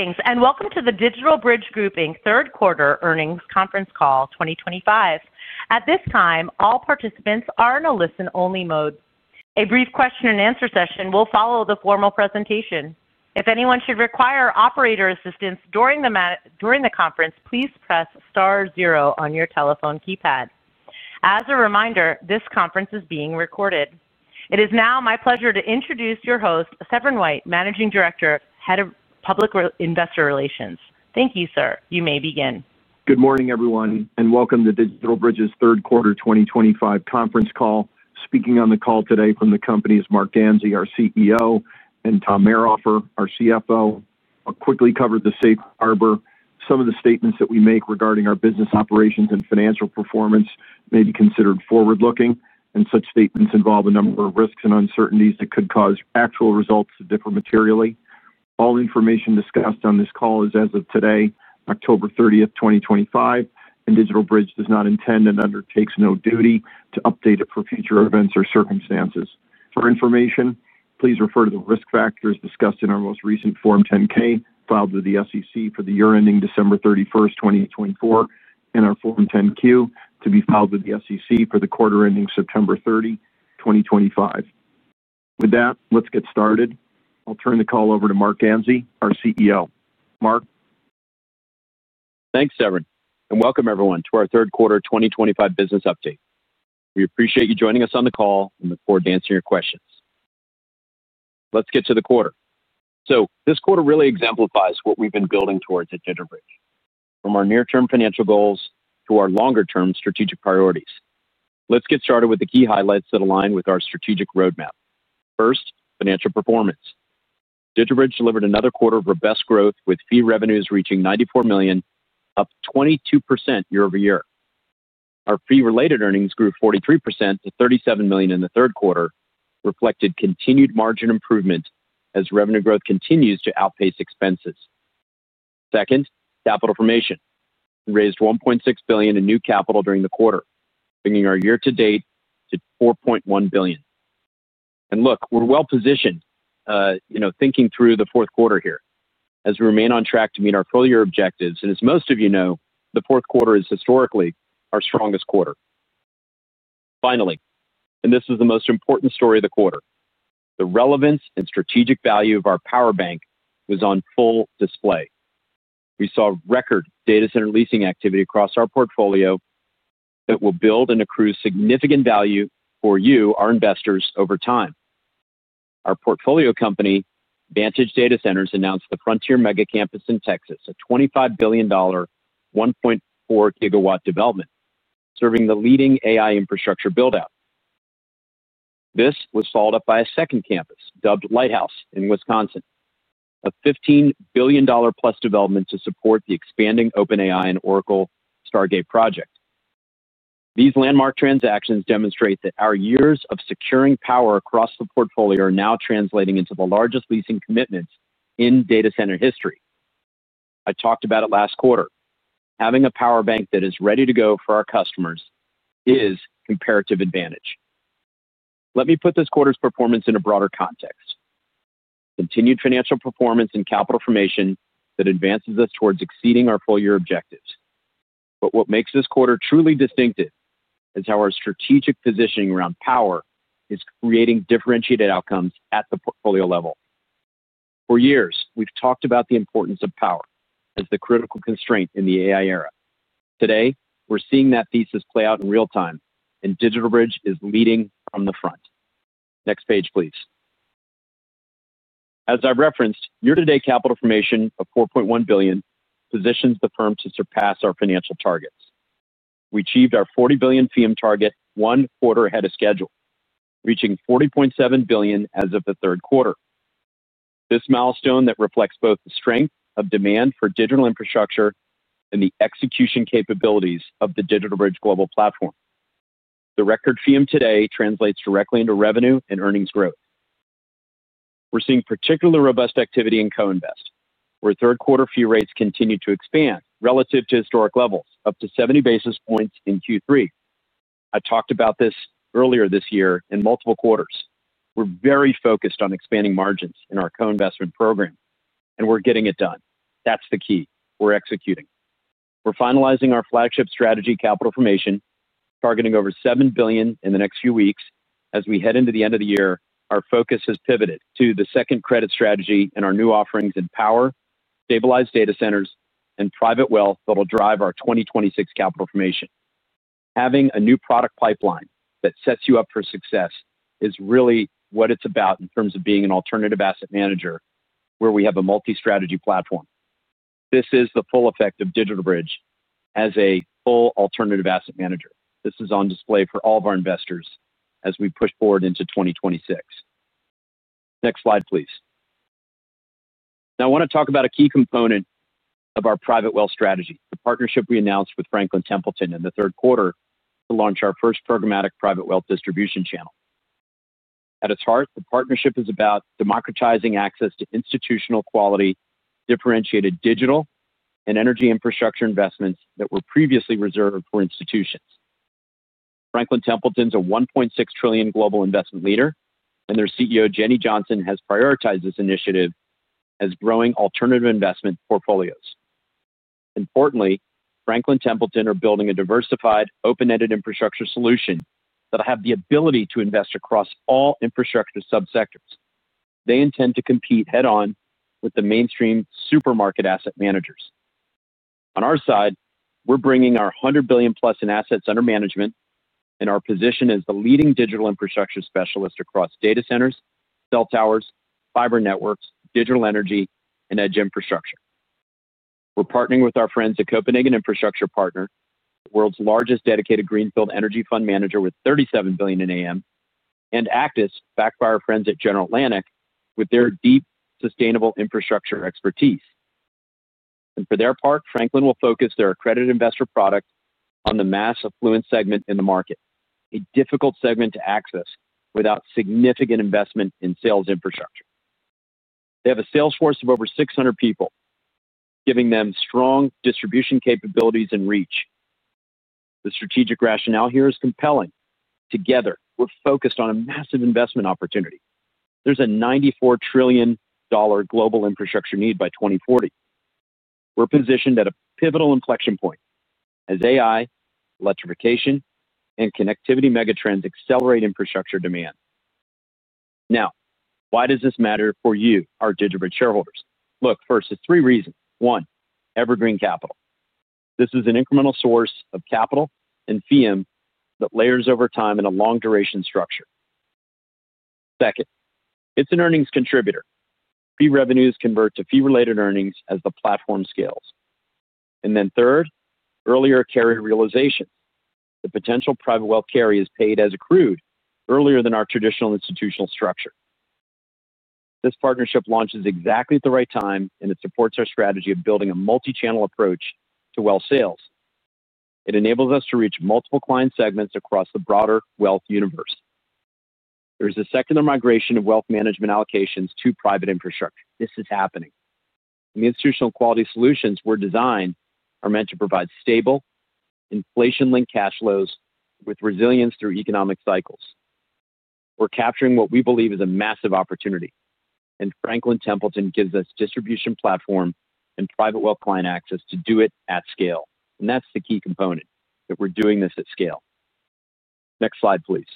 Greetings and welcome to the DigitalBridge Group Inc. third quarter earnings conference call 2025. At this time, all participants are in a listen-only mode. A brief question and answer session will follow the formal presentation. If anyone should require operator assistance during the conference, please press star zero on your telephone keypad. As a reminder, this conference is being recorded. It is now my pleasure to introduce your host, Severin White, Managing Director, Head of Public Investor Relations. Thank you, sir. You may begin. Good morning everyone and welcome to DigitalBridge's third quarter 2025 conference call. Speaking on the call today from the company is Marc Ganzi, our CEO, and Thomas Mayrhofer, our CFO. I'll quickly cover the safe harbor. Some of the statements that we make regarding our business operations and financial performance may be considered forward-looking, and such statements involve a number of risks and uncertainties that could cause actual results to differ materially. All information discussed on this call is as of today, October 30th, 2025, and DigitalBridge does not intend and undertakes no duty to update it for future events or circumstances. For information, please refer to the risk factors discussed in our most recent Form 10-K filed with the SEC for the year ending December 31st, 2024, and our Form 10-Q to be filed with the SEC for the quarter ending September 30, 2025. With that, let's get started. I'll turn the call over to Marc Ganzi, our CEO. Marc, thanks ever and welcome everyone to our third quarter 2025 business update. We appreciate you joining us on the call and look forward to answering your questions. Let's get to the quarter. This quarter really exemplifies what we've been building towards at DigitalBridge, from our near-term financial goals to our longer-term strategic priorities. Let's get started with the key highlights that align with our strategic roadmap. First, financial performance. DigitalBridge delivered another quarter of robust growth with fee revenues reaching $94 million, up 22% year-over-year. Our fee-related earnings grew 43% to $37 million in the third quarter, reflecting continued margin improvement as revenue growth continues to outpace expenses. Second, capital formation raised $1.6 billion in new capital during the quarter, bringing our year to date to $4.1 billion. We are well positioned, thinking through the fourth quarter here as we remain on track to meet our full year objectives. As most of you know, the fourth quarter is historically our strongest quarter. Finally, and this is the most important story of the quarter, the relevance and strategic value of our power bank was on full display. We saw record data center leasing activity across our portfolio that will build and accrue significant value for you, our investors, over time. Our portfolio company, Vantage Data Centers, announced the Frontier Mega Campus in Texas, a $25 billion 1.4-GW development serving the leading AI infrastructure buildout. This was followed up by a second campus dubbed Lighthouse in Wisconsin, a $15 billion+development to support the expanding OpenAI and Oracle Stargate project. These landmark transactions demonstrate that our years of securing power across the portfolio are now translating into the largest leasing commitments. In data center history. I talked about it last quarter. Having a power bank that is ready to go for our customers is a comparative advantage. Let me put this quarter's performance in a broader context. Continued financial performance and capital formation advances us towards exceeding our full year objectives. What makes this quarter truly distinctive is how our strategic positioning around power is creating differentiated outcomes at the portfolio level. For years we've talked about the importance of power as the critical constraint in the AI era. Today we're seeing that thesis play out in real time and DigitalBridge is leading from the front. Next page please. As I referenced, year-to-date capital formation of $4.1 billion positions the firm to surpass our financial targets. We achieved our $40 billion FEEUM target one quarter ahead of schedule, reaching $40.7 billion as of the third quarter. This milestone reflects both the strength of demand for digital infrastructure and the execution capabilities of the DigitalBridge global platform. The record FEEUM today translates directly into revenue and earnings growth. We're seeing particularly robust activity in co-invest, where third quarter fee rates continue to expand relative to historic levels, up to 70 basis points in Q3. I talked about this earlier this year in multiple quarters. We're very focused on expanding margins in our co-investment program and we're getting it done. That's the key, we're executing. We're finalizing our flagship strategy capital formation targeting over $7 billion in the next few weeks. As we head into the end of the year, our focus has pivoted to the second credit strategy and our new offerings in power, stabilized data centers, and private wealth that'll drive our 2026 capital formation. Having a new product pipeline that sets you up for success is really what it's about in terms of being an alternative asset manager where we have a multi-strategy platform. This is the full effect of DigitalBridge as a full alternative asset manager. This is on display for all of our investors as we push forward into 2026. Next slide please. Now I want to talk about a key component of our private wealth strategy. The partnership we announced with Franklin Templeton in the third quarter to launch our first programmatic private wealth distribution channel. At its heart, the partnership is about democratizing access to institutional-quality, differentiated digital and energy infrastructure investments that were previously reserved for institutions. Franklin Templeton is a $1.6 trillion global investment leader, and their CEO Jenny Johnson has prioritized this initiative as growing alternative investment portfolios. Importantly, Franklin Templeton is building a diversified open-ended infrastructure solution that has the ability to invest across all infrastructure subsectors. They intend to compete head-on with the mainstream supermarket asset managers. On our side, we're bringing our $100 billion+ in assets under management and our position as the leading digital infrastructure specialist across data centers, cell towers, fiber networks, digital energy, and edge infrastructure. We're partnering with our friends at Copenhagen Infrastructure Partners, the world's largest dedicated greenfield energy fund manager with $37 billion in AUM, and Actis, backed by our friends at General Atlantic with their deep sustainable infrastructure expertise. For their part, Franklin will focus their accredited investor product on the mass affluent segment in the market, a difficult segment to access without significant investment in sales infrastructure. They have a sales force of over 600 people, giving them strong distribution capabilities and reach. The strategic rationale here is compelling. Together, we're focused on a massive investment opportunity. There's a $94 trillion global infrastructure need by 2040. We're positioned at a pivotal inflection point as AI, electrification, and connectivity megatrends accelerate infrastructure demand. Now, why does this matter for you, our DigitalBridge shareholders? Look, first, there's three reasons. One, evergreen capital. This is an incremental source of capital and FEEUM that layers over time in a long duration structure. Second, it's an earnings contributor. Fee revenues convert to fee-related earnings as the platform scales. Third, earlier carry realization. The potential private wealth carry is paid as accrued earlier than our traditional institutional structure. This partnership launches exactly at the right time. It supports our strategy of building a multi-channel approach to wealth sales. It enables us to reach multiple client segments across the broader wealth universe. There is a secular migration of wealth management allocations to private infrastructure that is happening. The institutional quality solutions we designed are meant to provide stable, inflation-linked cash flows with resilience through economic cycles. We're capturing what we believe is a massive opportunity, and Franklin Templeton gives us distribution platform and private wealth client access to do it at scale. That's the key component, that we're doing this at scale. Next slide please.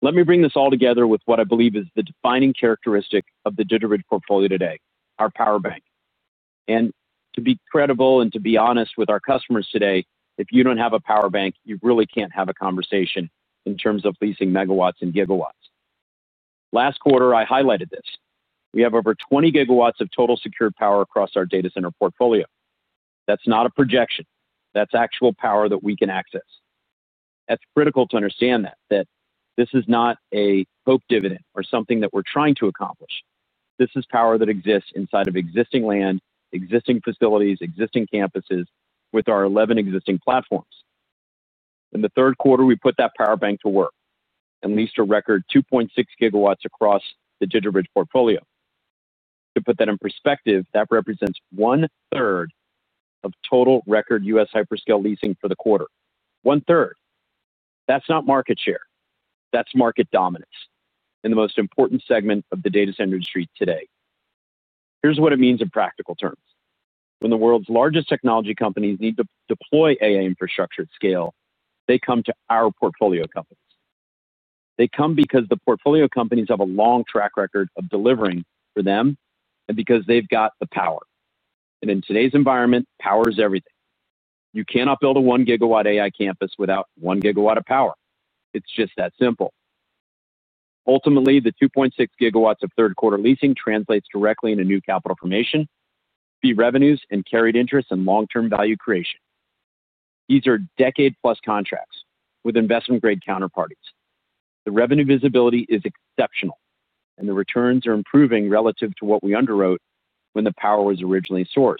Let me bring this all together. What I believe is the defining characteristic of the DigitalBridge portfolio today, our power bank. To be credible and to be honest with our customers today, if you don't have a power bank, you really can't have a conversation in terms of leasing megawatts and GW. Last quarter I highlighted this. We have over 20 GW of total secured power across our data center portfolio. That's not a projection, that's actual power that we can access. It's critical to understand that this is not a Coke dividend or something that we're trying to accomplish. This is power that exists inside of existing land, existing facilities, existing campuses, with our 11 existing platforms. In the third quarter, we put that power bank to work and leased a record 2.6 GW across the DigitalBridge portfolio. To put that in perspective, that represents 1/3 of total record U.S. hyperscale leasing for the quarter. 1/3. That's not market share, that's market dominance in the most important segment of the data center industry today. Here's what it means in practical terms. When the world's largest technology companies need to deploy AI infrastructure at scale, they come to our portfolio companies. They come because the portfolio companies have a long track record of delivering for them and because they've got the power. In today's environment, power is everything. You cannot build a 1-GW AI campus without 1 GW of power. It's just that simple. Ultimately, the 2.6 GW of third quarter leasing translates directly into new capital formation, fee revenues, carried interest, and long term value creation. These are decade plus contracts with investment grade counterparties. The revenue visibility is exceptional and the returns are improving relative to what we underwrote when the power was originally sourced.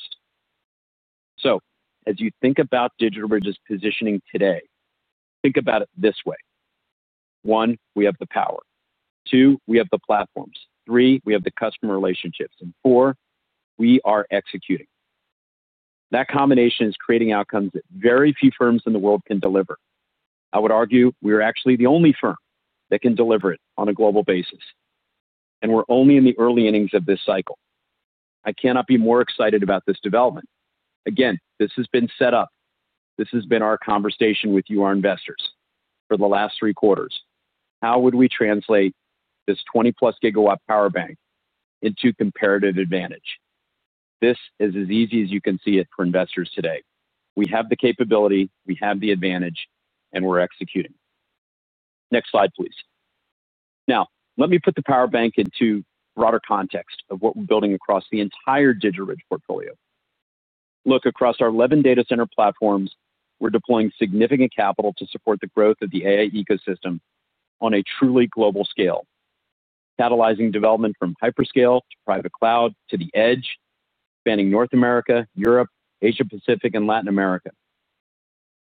As you think about DigitalBridge's positioning today, think about it this way. One, we have the power. Two, we have the platforms. Three, we have the customer relationships. Four, we are executing. That combination is creating outcomes that very few firms in the world can deliver. I would argue we are actually the only firm that can deliver it on a global basis and we're only in the early innings of this cycle. I cannot be more excited about this development. This has been set up, this has been our conversation with you, our investors, for the last three quarters. How would we translate this 20+ GW power bank into comparative advantage? This is as easy as you can see it for investors today. We have the capability, we have the advantage, and we're executing. Next slide please. Now let me put the power bank into broader context of what we're building across the entire DigitalBridge portfolio. Look across our 11 data center platforms, we're deploying significant capital to support the growth of the AI ecosystem on a truly global scale, catalyzing development from hyperscale to private cloud to the edge, spanning North America, Europe, Asia Pacific, and Latin America.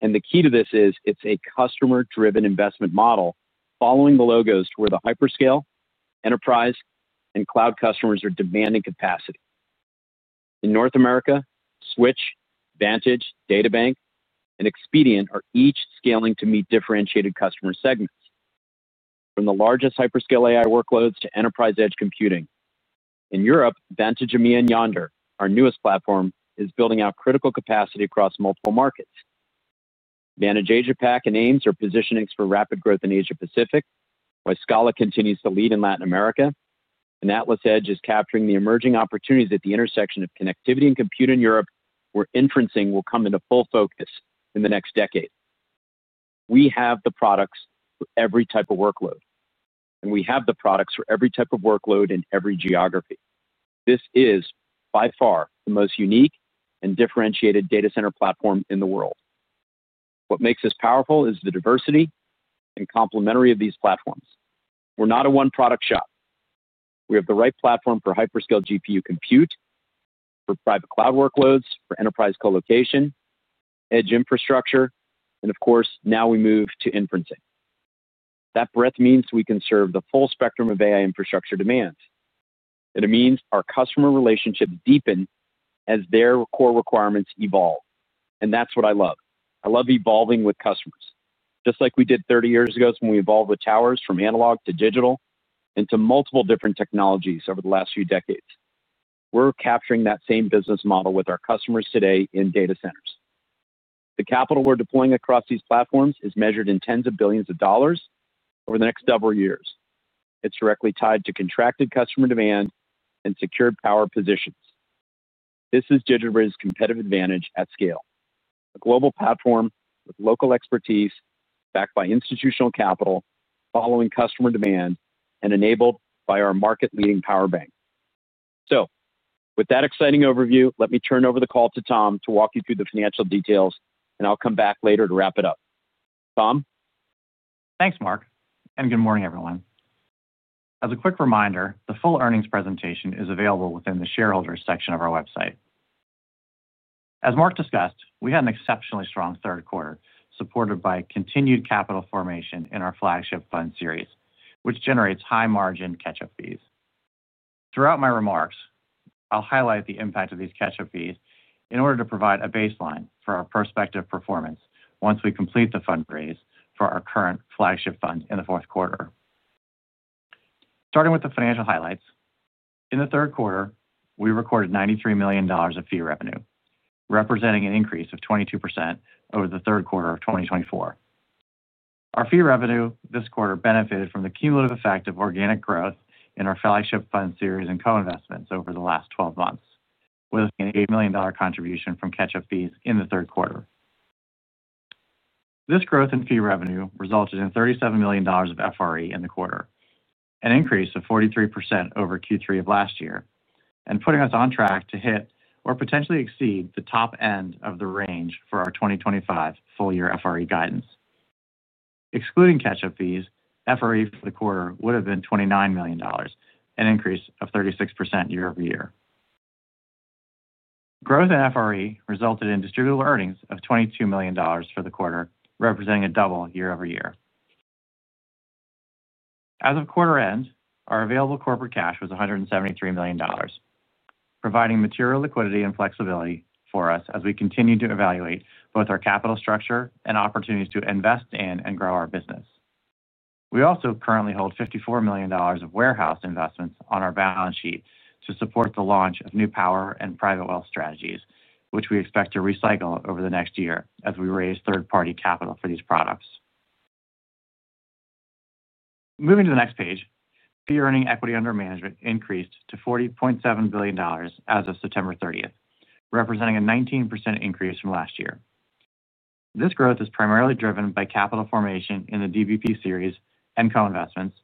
The key to this is it's a customer-driven investment model, following the logos to where the hyperscale, enterprise, and cloud customers are demanding capacity. In North America, Switch, Vantage, DataBank, and Expedient are each scaling to meet differentiated customer segments from the largest hyperscale AI workloads to enterprise edge computing. In Europe, Vantage EMEA and Yondr, our newest platform, is building out critical capacity across multiple markets. Vantage Asia Pacific and AIMS are positioning us for rapid growth in Asia Pacific, while Scala continues to lead in Latin America, and AtlasEdge is capturing the emerging opportunities at the intersection of connectivity and compute in Europe, where inferencing will come into full focus in the next decade. We have the products for every type of workload, and we have the products for every type of workload in every geography. This is by far the most unique and differentiated data center platform in the world. What makes us powerful is the diversity and complementarity of these platforms. We're not a one-product shop. We have the right platform for hyperscale GPU compute, for private cloud workloads, for enterprise colocation, edge infrastructure, and of course now we move to inferencing. That breadth means we can serve the full spectrum of AI infrastructure demands. It means our customer relationships deepen as their core requirements evolve. That's what I love. I love evolving with customers just like we did 30 years ago when we evolved with towers from analog to digital into multiple different technologies. Over the last few decades, we're capturing that same business model with our customers today in data centers. The capital we're deploying across these platforms is measured in tens of billions of dollars over the next several years. It's directly tied to contracted customer demand and secured power positions. This is DigitalBridge's competitive advantage at scale. A global platform with local expertise, backed by institutional capital, following customer demand and enabled by our market-leading power bank. With that exciting overview, let me. Turn over the call to Tom to walk you through the financial details, and I'll come back later to wrap it up. Tom. Thanks Marc, and good morning everyone. As a quick reminder, the full earnings presentation is available within the shareholders section of our website. As Marc discussed, we had an exceptionally strong third quarter supported by continued capital formation in our flagship fund series which generates high margin catch up fees. Throughout my remarks, I'll highlight the impact of these catch up fees in order to provide a baseline for our prospective performance once we complete the fundraise for our current flagship fund in the fourth quarter. Starting with the financial highlights, in the third quarter we recorded $93 million of fee revenue, representing an increase of 22% over the third quarter of 2024. Our fee revenue this quarter benefited from the cumulative effect of organic growth in our flagship fund series and co-investments over the last 12 months, with an $8 million contribution from catch up fees in the third quarter. This growth in fee revenue resulted in. $37 million of FRE in the quarter, an increase of 43% over Q3 of last year, and putting us on track to hit or potentially exceed the top end of the range for our 2025 full year FRE guidance. Excluding catch up fees, FRE for the quarter would have been $29 million, an increase of 36% year-over-year. Growth. FRE resulted in distributable earnings of $22 million for the quarter, representing a. Double year-over-year. As of quarter end, our available corporate cash was $173 million, providing material liquidity and flexibility for us as we continue to evaluate both our capital structure and opportunities to invest in and grow our business. We also currently hold $54 million of warehouse investments on our balance sheet to support the launch of new power and private wealth strategies, which we expect to recycle over the next year as we raise third party capital for these products. Moving to the next page, fee-earning equity under management increased to $40.7 billion as of September 30th, representing a 19% increase from last year. This growth is primarily driven by capital formation in the DBP Series and co-investments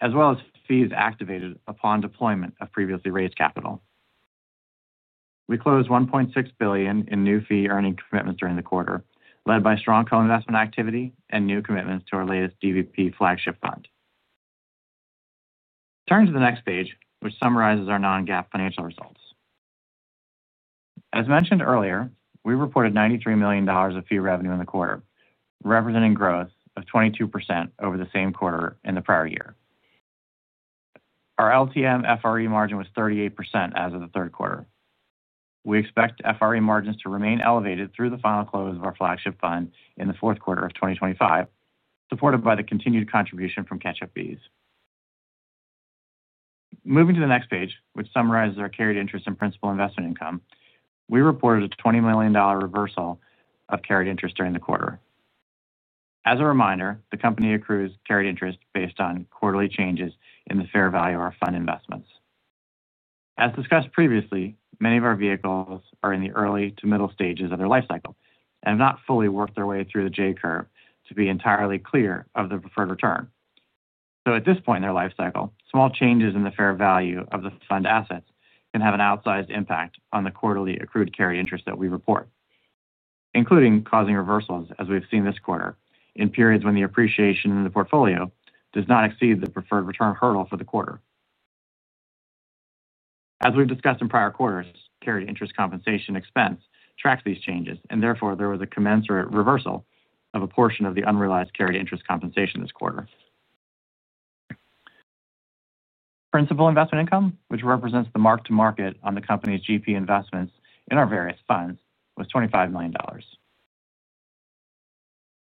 as well as fees activated upon deployment of previously raised capital. We closed $1.6 billion in new fee-earning commitments during the quarter, led by strong co-investment activity and new commitments to our latest DBP flagship fund. Turning to the next page, which summarizes our non-GAAP financial results, as mentioned earlier, we reported $93 million of fee revenue in the quarter, representing growth of 22% over the same quarter in the prior year. Our LTM FRE margin was 38% as. Of the third quarter. We expect FRE margins to remain elevated through the final close of our flagship fund in the fourth quarter of 2025, supported by the continued contribution from catch up fees. Moving to the next page, which summarizes our carried interest and principal investment income. We reported a $20 million reversal of carried interest during the quarter. As a reminder, the company accrues carried interest based on quarterly changes in the fair value of our fund investments. As discussed previously, many of our vehicles are in the early to middle stages of their life cycle and have not fully worked their way through the J curve to be entirely clear of the preferred return. At this point in their life cycle, small changes in the fair value of the fund assets can have an outsized impact on the quarterly accrued carry interest that we report, including causing reversals as we've seen this quarter, in periods when the appreciation in the portfolio does not exceed the preferred return hurdle for the quarter. As we've discussed in prior quarters, carry interest compensation expense tracks these changes and therefore there was a commensurate reversal of a portion of the unrealized carry interest compensation this quarter. Principal investment income, which represents the mark to market on the company's GP investments in our various funds, was $25 million.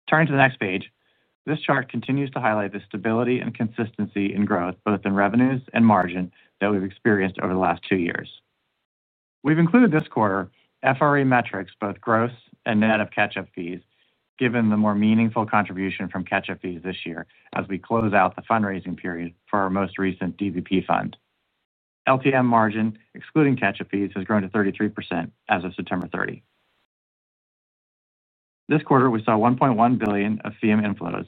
Turning to the next page, this chart continues to highlight the stability and consistency in growth, both in revenues and margin that we've experienced over the last two years. We've included this quarter FRE metrics, both gross and net of catch up fees, given the more meaningful contribution from catch up fees this year. As we close out the fundraising period for our most recent DBP fund, LTM margin excluding catch up fees has grown to 33% as of September 30th. This quarter we saw $1.1 billion of FEEUM inflows,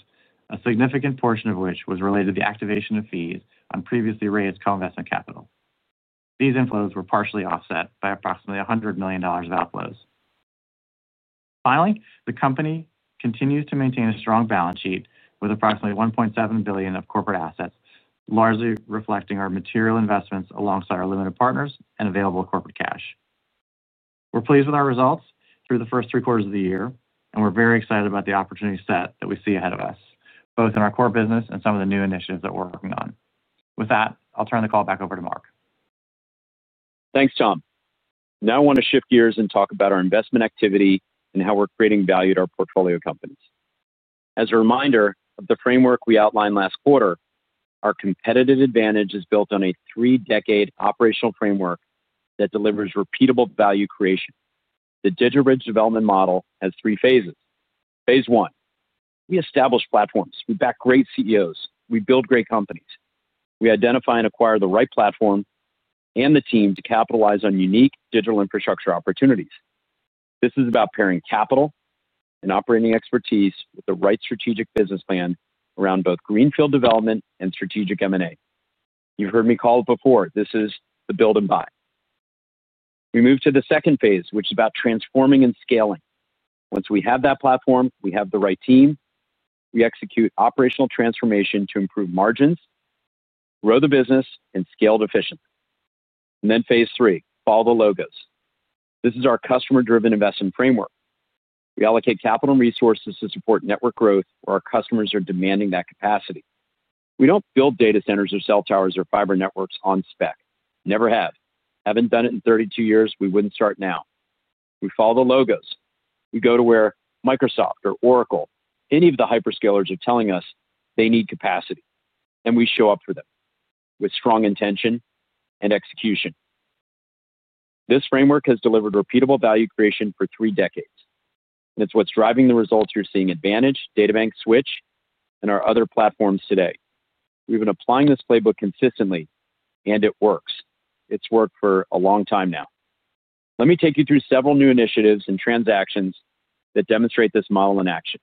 a significant portion of which was related to the activation of fees on previously raised co-investment capital. These inflows were partially offset by approximately $100 million of outflows. Finally, the company continues to maintain a strong balance sheet with approximately $1.7 billion of corporate assets, largely reflecting our material investments alongside our limited partners and available corporate cash. We're pleased with our results through the first three quarters of the year. We're very excited about the opportunity set that we see ahead of us both in our core business and some of the new initiatives that we're working on. With that, I'll turn the call back over to Marc. Thanks, Tom. Now I want to shift gears and talk about our investment activity and how we're creating value to our portfolio companies. As a reminder of the framework we outlined last quarter, our competitive advantage is built on a three-decade operational framework that delivers repeatable value creation. The DigitalBridge development model has three phases. Phase I, we establish platforms we back. Great CEOs, we build great companies. Identify and acquire the right platform and the team to capitalize on unique digital infrastructure opportunities. This is about pairing capital and operating expertise with the right strategic business plan around both greenfield development and strategic M&A. You've heard me call before. This is the build and buy. We move to the second phase, which is about transforming and scaling. Once we have that platform, we have the right team. We execute operational transformation to improve margins, grow the business, and scale it efficiently. Then phase III. Follow the logos. This is our customer-driven investment framework. We allocate capital and resources to support network growth where our customers are demanding that capacity. We don't build data centers or cell towers or fiber networks on spec. Never have. Haven't done it in 32 years. We wouldn't start now. We follow the logos. We go to where Microsoft or Oracle, any of the hyperscalers, are telling us they need capacity, and we show up for them with strong intention and execution. This framework has delivered repeatable value creation for three decades. It's what's driving the results you're seeing at Vantage, DataBank, Switch, and our other platforms today. We've been applying this playbook consistently and it works. It's worked for a long time now. Let me take you through several new initiatives and transactions that demonstrate this model in action.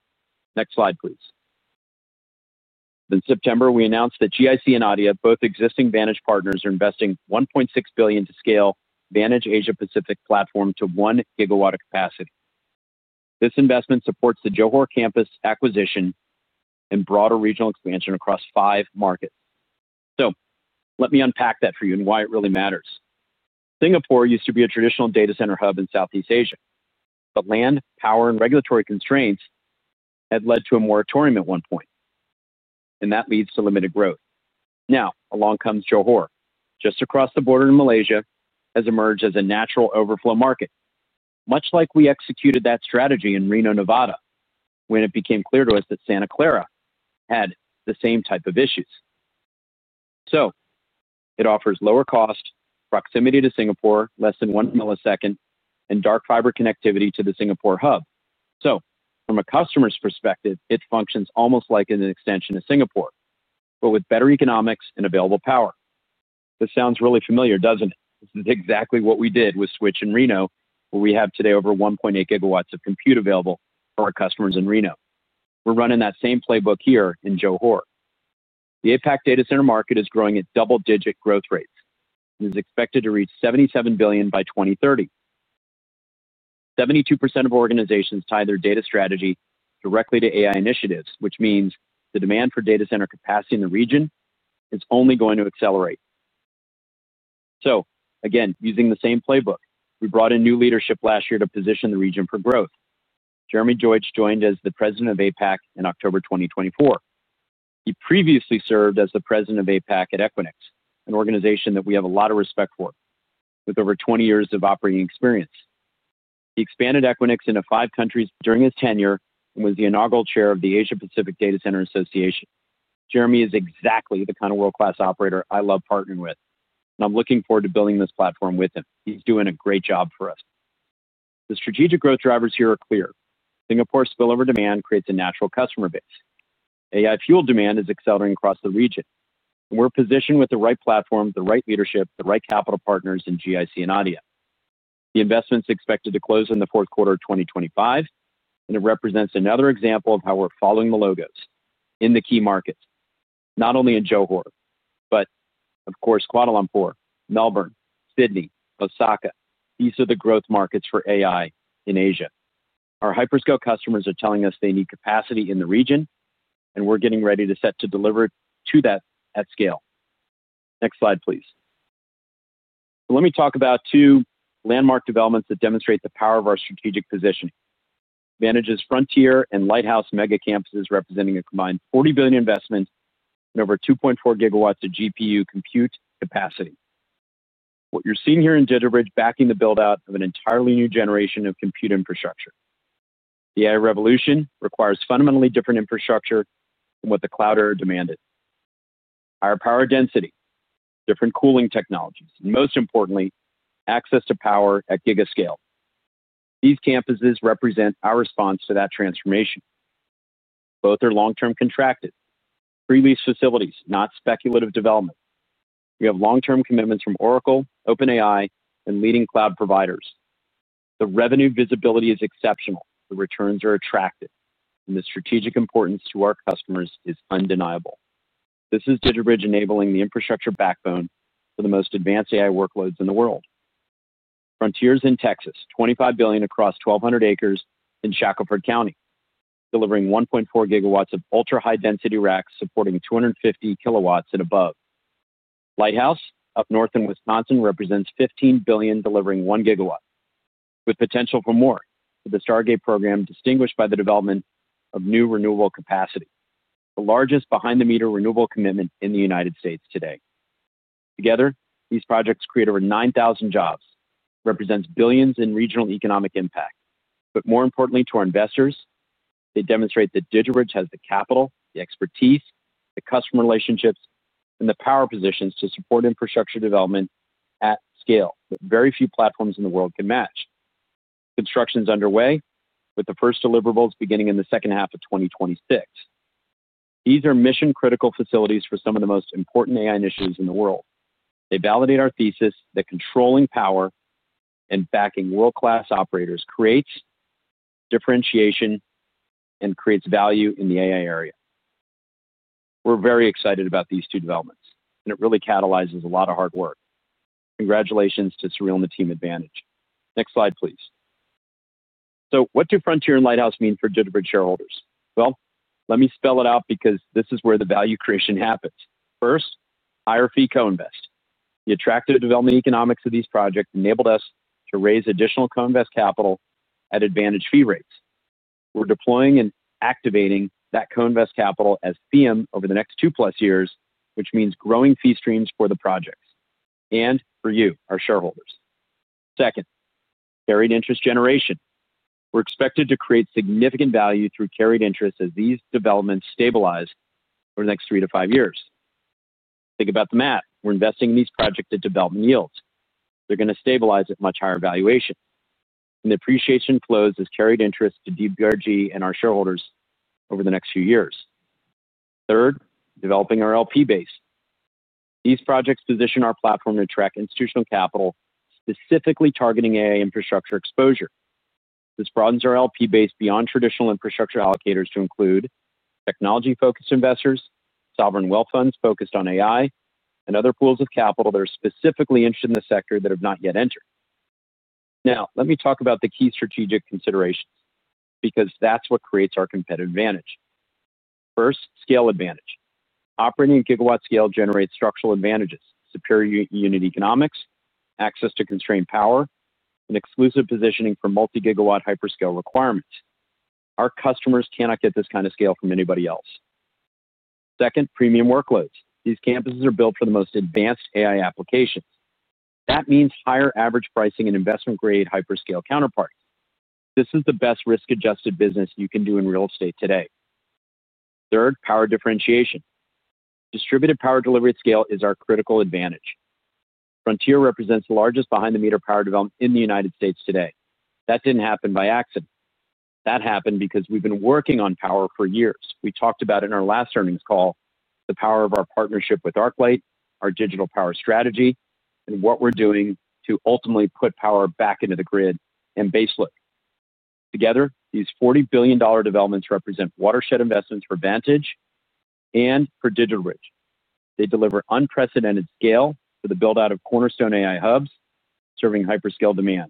Next slide, please. In September, we announced that GIC and ADIA, both existing Vantage partners, are investing $1.6 billion to scale the Vantage Asia Pacific platform to 1 GW of capacity. This investment supports the Johor campus acquisition and broader regional expansion across five markets. Let me unpack that for you and why it really matters. Singapore used to be a traditional data center hub in Southeast Asia, but land, power, and regulatory constraints had led to a moratorium at one point, and that leads to limited growth. Now along comes Johor, just across the border in Malaysia, has emerged as a natural overflow market, much like we executed that strategy in Reno, Nevada, when it became clear to us that Santa Clara had the same type of issues. It offers lower cost proximity to Singapore, less than 1 millisecond, and dark fiber connectivity to the Singapore hub. From a customer's perspective, it functions almost like an extension of Singapore, but with better economics and available power. This sounds really familiar, doesn't it? This is exactly what we did with Switch and Reno, where we have today over 1.8 GW of compute available for our customers in Reno. We're running that same playbook here in Johor. The APAC data center market is growing at double-digit growth rates and is expected to reach $77 billion by 2030. 72% of organizations tie their data strategy directly to AI initiatives, which means the demand for data center capacity in the region is only going to accelerate. Using the same playbook, we brought in new leadership last year to position the region for growth. Jeremy Deutsch joined as the President of APAC in October 2024. He previously served as the President of APAC at Equinix, an organization that we have a lot of respect for with over 20 years of operating experience. He expanded Equinix into five countries during his tenure and was the inaugural Chair of the Asia Pacific Data Center Association. Jeremy is exactly the kind of world-class operator I love partnering with and I'm looking forward to building this platform with him. He's doing a great job for us. The strategic growth drivers here are clear. Singapore spillover demand creates a natural customer base. AI-fueled demand is accelerating across the region. We're positioned with the right platform, the right leadership, the right capital partners in GIC and ADIA. The investment is expected to close in the fourth quarter 2025 and it represents another example of how we're following the. Logos in the key markets. Not only in Johor but of course Kuala Lumpur, Melbourne, Sydney, Osaka. These are the growth markets for AI in Asia. Our hyperscale customers are telling us they need capacity in the region and we're getting ready to set to deliver to that at scale. Next slide please. Let me talk about two landmark developments that demonstrate the power of our strategic positioning, Vantage's Frontier and Lighthouse mega campuses representing a combined $40 billion investment and over 2.4 GW of GPU compute capacity. What you're seeing here is DigitalBridge backing the build out of an entirely new generation of compute infrastructure. The AI revolution requires fundamentally different infrastructure than what the cloud era demanded. Higher power density, different cooling technologies, most importantly access to power at giga scale. These campuses represent our response to that transformation. Both are long-term contracted pre-lease facilities, not speculative development. We have long-term commitments from Oracle, OpenAI, and leading cloud providers. The revenue visibility is exceptional, the returns are attractive, and the strategic importance to our customers is undeniable. This is DigitalBridge enabling the infrastructure backbone for the most advanced AI workloads in the world. Frontier is in Texas, $25 billion across 1,200 acres in Shackelford County delivering 1.4 GW of ultra high density racks supporting 250 KW and above. Lighthouse up north in Wisconsin represents $15 billion delivering 1 GW with potential for more with the Stargate program, distinguished by the development of new renewable capacity, the largest behind-the-meter renewable commitment in the United States today. Together these projects create over 9,000 jobs. They represent billions in regional economic impact. More importantly to our investors, they demonstrate that DigitalBridge has the capital, the expertise, the customer relationships, and the power positions to support infrastructure development at scale. Very few platforms in the world can match. Construction is underway with the first deliverables beginning in the second half of 2026. These are mission critical facilities for some of the most important AI initiatives in the world. They validate our thesis that controlling power and backing world-class operators creates differentiation and creates value in the AI area. We're very excited about these two developments and it really catalyzes a lot of hard work. Congratulations to Sureel and the team. Advantage. Next slide please. What do Frontier and Lighthouse mean for DigitalBridge shareholders? Let me spell it out because this is where the value creation happens. First, IRFIC co-invest. The attractive development economics of these projects enabled us to raise additional co-invest capital at advantaged fee rates. We're deploying and activating that co-invest capital as FEEUM over the next 2+ years, which means growing fee streams for the projects and for you, our shareholders. Second, carried interest generation. We're expected to create significant value through carried interest as these developments stabilize over the next three to five years. Think about the math. We're investing in these projects at development yields. They're going to stabilize at much higher valuation and depreciation flows. That has carried interest to DigitalBridge Group Inc. and our shareholders over the next few years. Third, developing our LP base. These projects position our platform to attract institutional capital specifically targeting AI infrastructure exposure. This broadens our LP base beyond traditional infrastructure allocators to include technology-focused investors, sovereign wealth funds focused on AI, and other pools of capital that are specifically interested in the sector that have not yet entered. Let me talk about the key strategic considerations because that's what creates our competitive advantage. First, scale advantage. Operating at gigawatt scale generates structural advantages, superior unit economics, access to constrained power, and exclusive positioning for multi-gigawatt hyperscale requirements. Our customers cannot get this kind of scale from anybody else. Second, premium workloads. These campuses are built for the most advanced AI applications. That means higher average pricing and investment-grade hyperscale counterparts. This is the best risk-adjusted business you can do in real estate today. Third, power differentiation. Distributed power delivery at scale is our critical advantage. Frontier represents the largest behind-the-meter power development in the United States today. That didn't happen by accident. That happened because we've been working on power for years. We talked about in our last earnings call the power of our partnership with ArcLight, our digital power strategy, and what we're doing to ultimately put power back into the grid and baseload. Together these $40 billion developments represent watershed investments for Vantage and for DigitalBridge. They deliver unprecedented scale for the build out of cornerstone AI hubs serving hyperscale demand.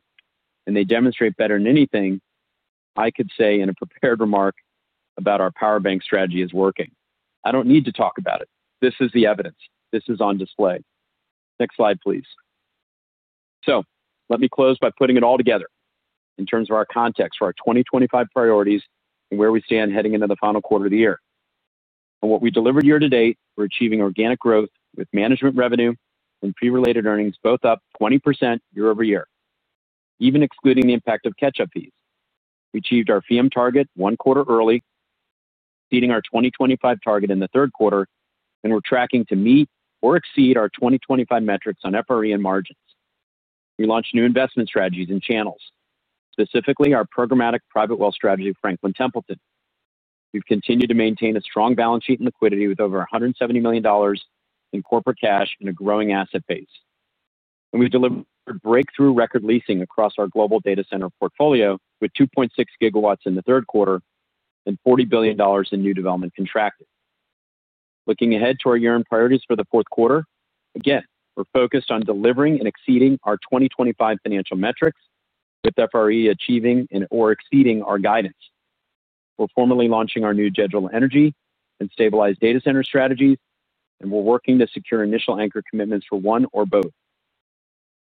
They demonstrate better than anything I could say in a prepared remark that our power bank strategy is working. I don't need to talk about it. This is the evidence. This is on display. Next slide please. Let me close by putting it. All together, in terms of our context for our 2025 priorities and where we stand heading into the final quarter of the year, what we delivered year to date, we're achieving organic growth with management revenue and fee-related earnings both up 20%. year-over-year, even excluding the impact. Of catch up fees. We achieved our FEEUM target one quarter early, beating our 2025 target in the third quarter and we're tracking to meet or exceed our 2025 metrics on FRE and margins. We launched new investment strategies and channels, specifically our programmatic private wealth strategy, Franklin Templeton. We've continued to maintain a strong balance sheet and liquidity with over $170 million in corporate cash and a growing asset base and we've delivered breakthrough record leasing across our global data center portfolio with 2.6 GW in the third quarter and $40 billion in new development contracted. Looking ahead to our year-end priorities for the fourth quarter, again we're focused on delivering and exceeding our 2025 financial metrics with FRE achieving or exceeding our guidance. We're formally launching our new grid-integrated energy and stabilized data center strategies and we're working to secure initial anchor commitments for one or both.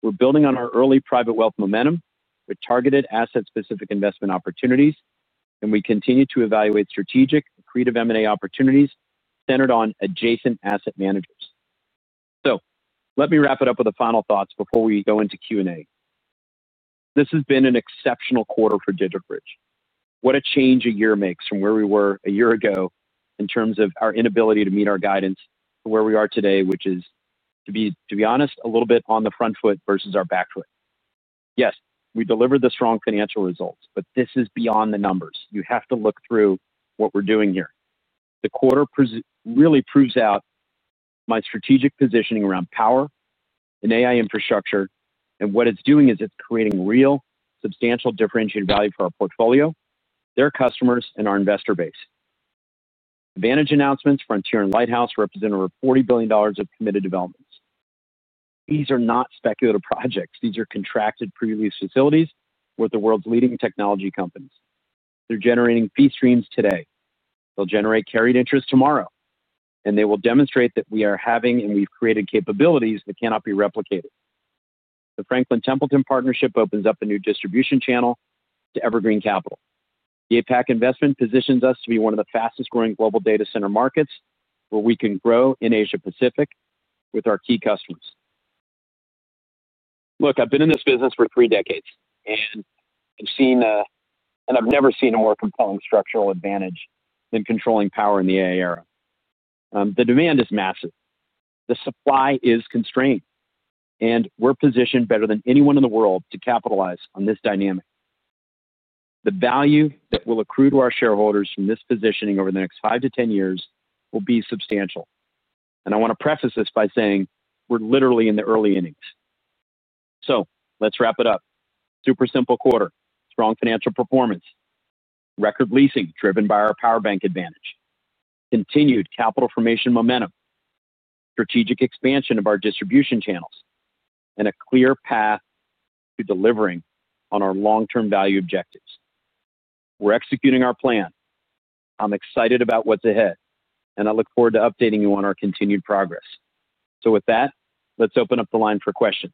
We're building on our early private wealth momentum with targeted asset-specific investment opportunities and we continue to evaluate strategic accretive M&A opportunities centered on adjacent asset managers. Let me wrap it up with the final thoughts before we go into Q&A. This has been an exceptional quarter for DigitalBridge. What a change a year makes from where we were a year ago in terms of our inability to meet our guidance to where we are today, which is to be, to be honest, a little bit on the front foot versus our back foot. Yes, we delivered the strong financial results, but this is beyond the numbers. You have to look through what we're doing here. The quarter really proves out my strategic positioning around power and AI infrastructure. What it's doing is it's creating real, substantial, differentiated value for our portfolio, their customers, and our investor base. Vantage announcements, Frontier and Lighthouse represent over $40 billion of committed developments. These are not speculative projects. These are contracted pre-lease facilities with the world's leading technology companies. They're generating fee streams today, they'll generate carried interest tomorrow, and they will demonstrate that we are having and we've created capabilities that cannot be replicated. The Franklin Templeton partnership opens up a new distribution channel to evergreen capital. The APAC investment positions us to be one of the fastest growing global data center markets where we can grow in Asia Pacific with our key customers. Look, I've been in this business for three decades and I've never seen a more compelling structural advantage than controlling power in the AI era. The demand is massive, the supply is constrained, and we're positioned better than anyone in the world to capitalize on this dynamic. The value that will accrue to our shareholders from this positioning over the next five to 10 years will be substantial. I want to preface this by saying we're literally in the early innings. Let's wrap it up: super simple quarter, strong financial performance, record leasing driven by our power bank advantage, continued capital formation momentum, strategic expansion of our distribution channels, and a clear path to delivering on our long term value objectives. We're executing our plan. I'm excited about what's ahead, and I look forward to updating you on our continued progress. With that, let's open up the line for questions.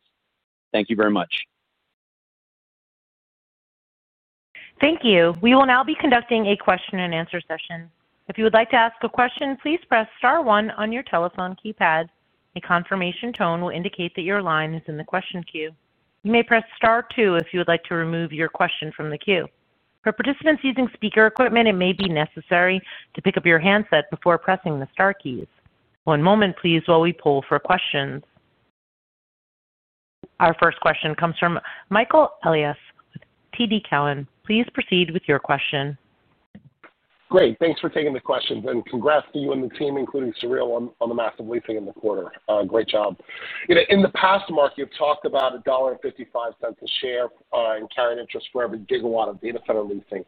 Thank you very much. Thank you. We will now be conducting a question and answer session. If you would like to ask a question, please press star one on your telephone keypad. A confirmation tone will indicate that your line is in the question queue. You may press star two if you would like to remove your question from the queue. For participants using speaker equipment, it may be necessary to pick up your handset before pressing the star keys. One moment please, while we poll for questions. Our first question comes from Michael Elias, TD Cowen. Please proceed with your question. Great. Thanks for taking the questions and congrats to you and the team, including Severin. On the massive leasing in the quarter. Great job. In the past, Marc, you've talked about $1.55 a share and carried interest for every gigawatt of data center leasing.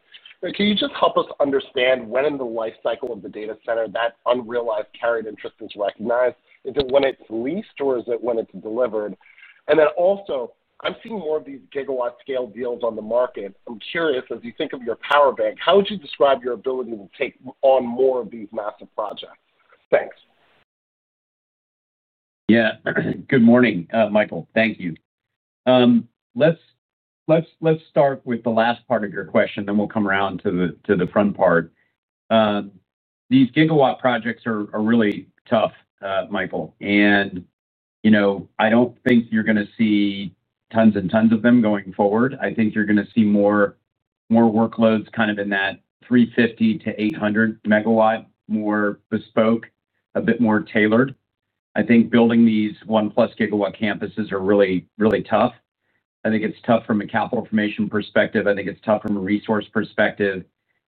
Can you just help us understand when. In the lifecycle of the data center. That unrealized carried interest is recognized? Is it when it's leased or is it when it's delivered? I'm seeing more of these gigawatt scale deals on the market. I'm curious, as you think of your power bank, how would you describe your ability to take on more of these massive projects? Thanks. Good morning, Michael. Thank you. Let's start with the last part of your question, then we'll come around to the front part. These gigawatt projects are really tough, Michael, and I don't think you're going to see tons and tons of them going forward. I think you're going to see more workloads kind of in that 350 MW- 800 megawatt, more bespoke, a bit more tailored. I think building these 1+ GW campuses are really, really tough. I think it's tough from a capital formation perspective. I think it's tough from a resource perspective.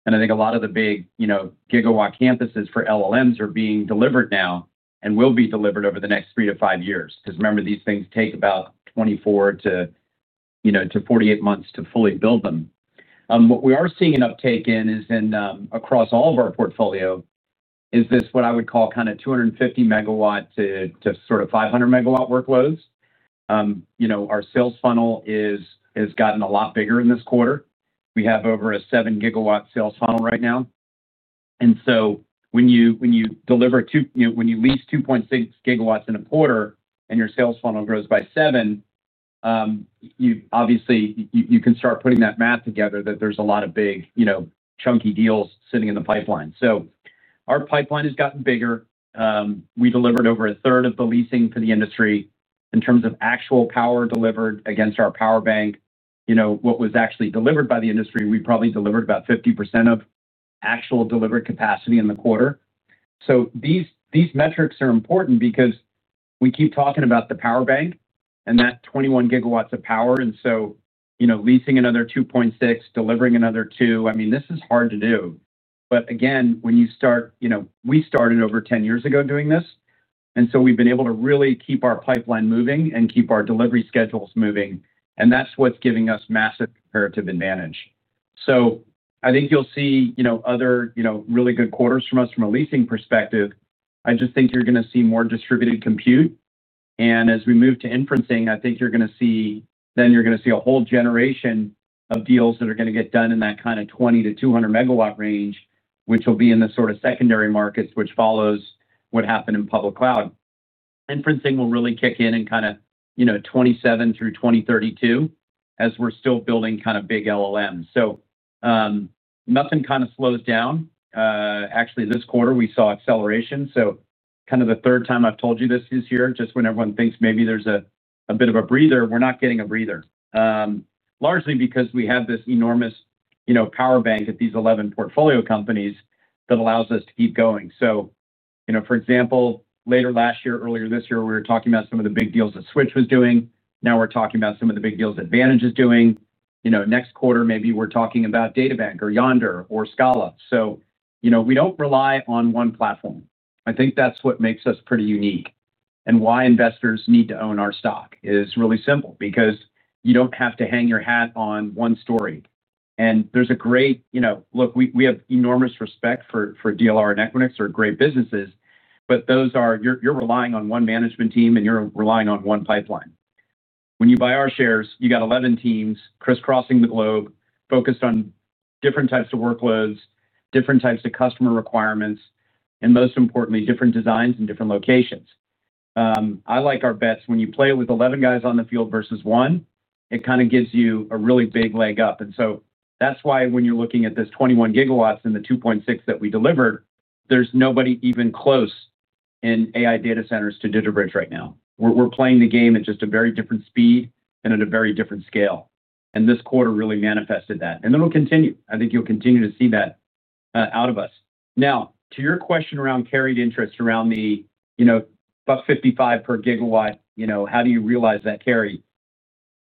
I think a lot of the big gigawatt campuses for LLMs are being delivered now and will be delivered over the next three to five years because remember, these things take about 24 to 48 months to fully build them. What we are seeing an uptake in is across all of our portfolio is this what I would call kind of 250 MW to sort of 500 MW workloads. Our sales funnel has gotten a lot bigger in this quarter. We have over a 7 GW sales funnel right now. When you lease 2.6 GW in a quarter and your sales funnel grows by 7, you obviously can start putting that math together that there's a lot of big, chunky deals sitting in the pipeline. Our pipeline has gotten bigger. We delivered over a third of the leasing for the industry in terms of actual power delivered against our power bank. What was actually delivered by the industry, we probably delivered about 50% of actual delivered capacity in the quarter. These metrics are important because we keep talking about the power bank and that 21 GW of power. Leasing another 2.6, delivering another 2, this is hard to do, but again, we started over 10 years ago doing this and we've been able to really keep our pipeline moving and keep our delivery schedules moving. That's what's giving us massive comparative advantage. I think you'll see other really good quarters from us from a leasing perspective. I just think you're going to see more distributed compute. As we move to inferencing, I think you're going to see a whole generation of deals that are going to get done in that kind of 20 MW-200 MW range, which will be in the sort of secondary markets which follows what happened in public. Cloud inferencing will really kick in in kind of, you know, 2027 through 2032 as we're still building kind of big LLMs. Nothing kind of slows down. Actually, this quarter we saw acceleration. Kind of the third time I've told you this this year, just when everyone thinks maybe there's a bit of a breather, we're not getting a breather largely because we have this enormous, you know, power bank at these 11 portfolio companies that allows us to keep going. For example, later last year, earlier this year we were talking about some of the big deals that Switch was doing. Now we're talking about some of the big deals Vantage is doing, you know, next quarter. Maybe we're talking about DataBank or Yondr or Scala. We don't rely on one platform. I think that's what makes us pretty unique. Why investors need to own our stock is really simple because you don't have to hang your hat on one story. There's a great, you know, look, we have enormous respect for, for DLR and Equinix, great businesses, but those are you're relying on one management team and you're relying on one pipeline. When you buy our shares, you got 11 teams crisscrossing the globe focused on different types of workloads, different types of customer requirements, and most importantly, different designs in different locations. I like our bets. When you play with 11 guys on the field versus one, it kind of gives you a really big leg up. That's why when you're looking at this 21 GW and the 2.6 GW that we delivered, there's nobody even close in AI data centers to DigitalBridge. Right now we're playing the game at just a very different speed and at a very different scale. This quarter really manifested that and it'll continue, I think you'll continue to see that out of us. Now to your question, around carried interest around the, you know, $1.55 per gigawatt. How do you realize that carry?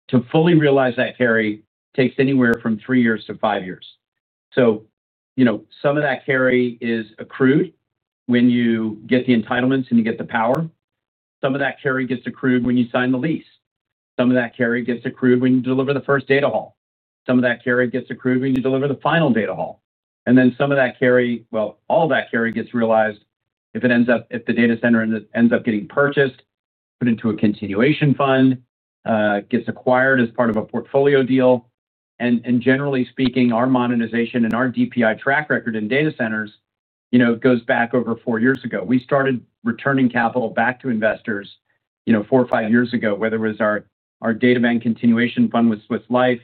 To fully realize that carry takes anywhere from three years to five years. Some of that carry is accrued when you get the entitlements. You get the power. Some of that carry gets accrued when you sign the lease. Some of that carry gets accrued when you deliver the first data hall. Some of that carry gets accrued when you deliver the final data hall. All that carry gets realized if the data center ends up getting purchased, put into a continuation fund, or gets acquired as part of a portfolio deal. Generally speaking, our monetization and our DPI track record in data centers goes back over four years ago. We started returning capital back to investors four or five years ago. Whether it was o`ur DataBank continuation fund with Swiss Life,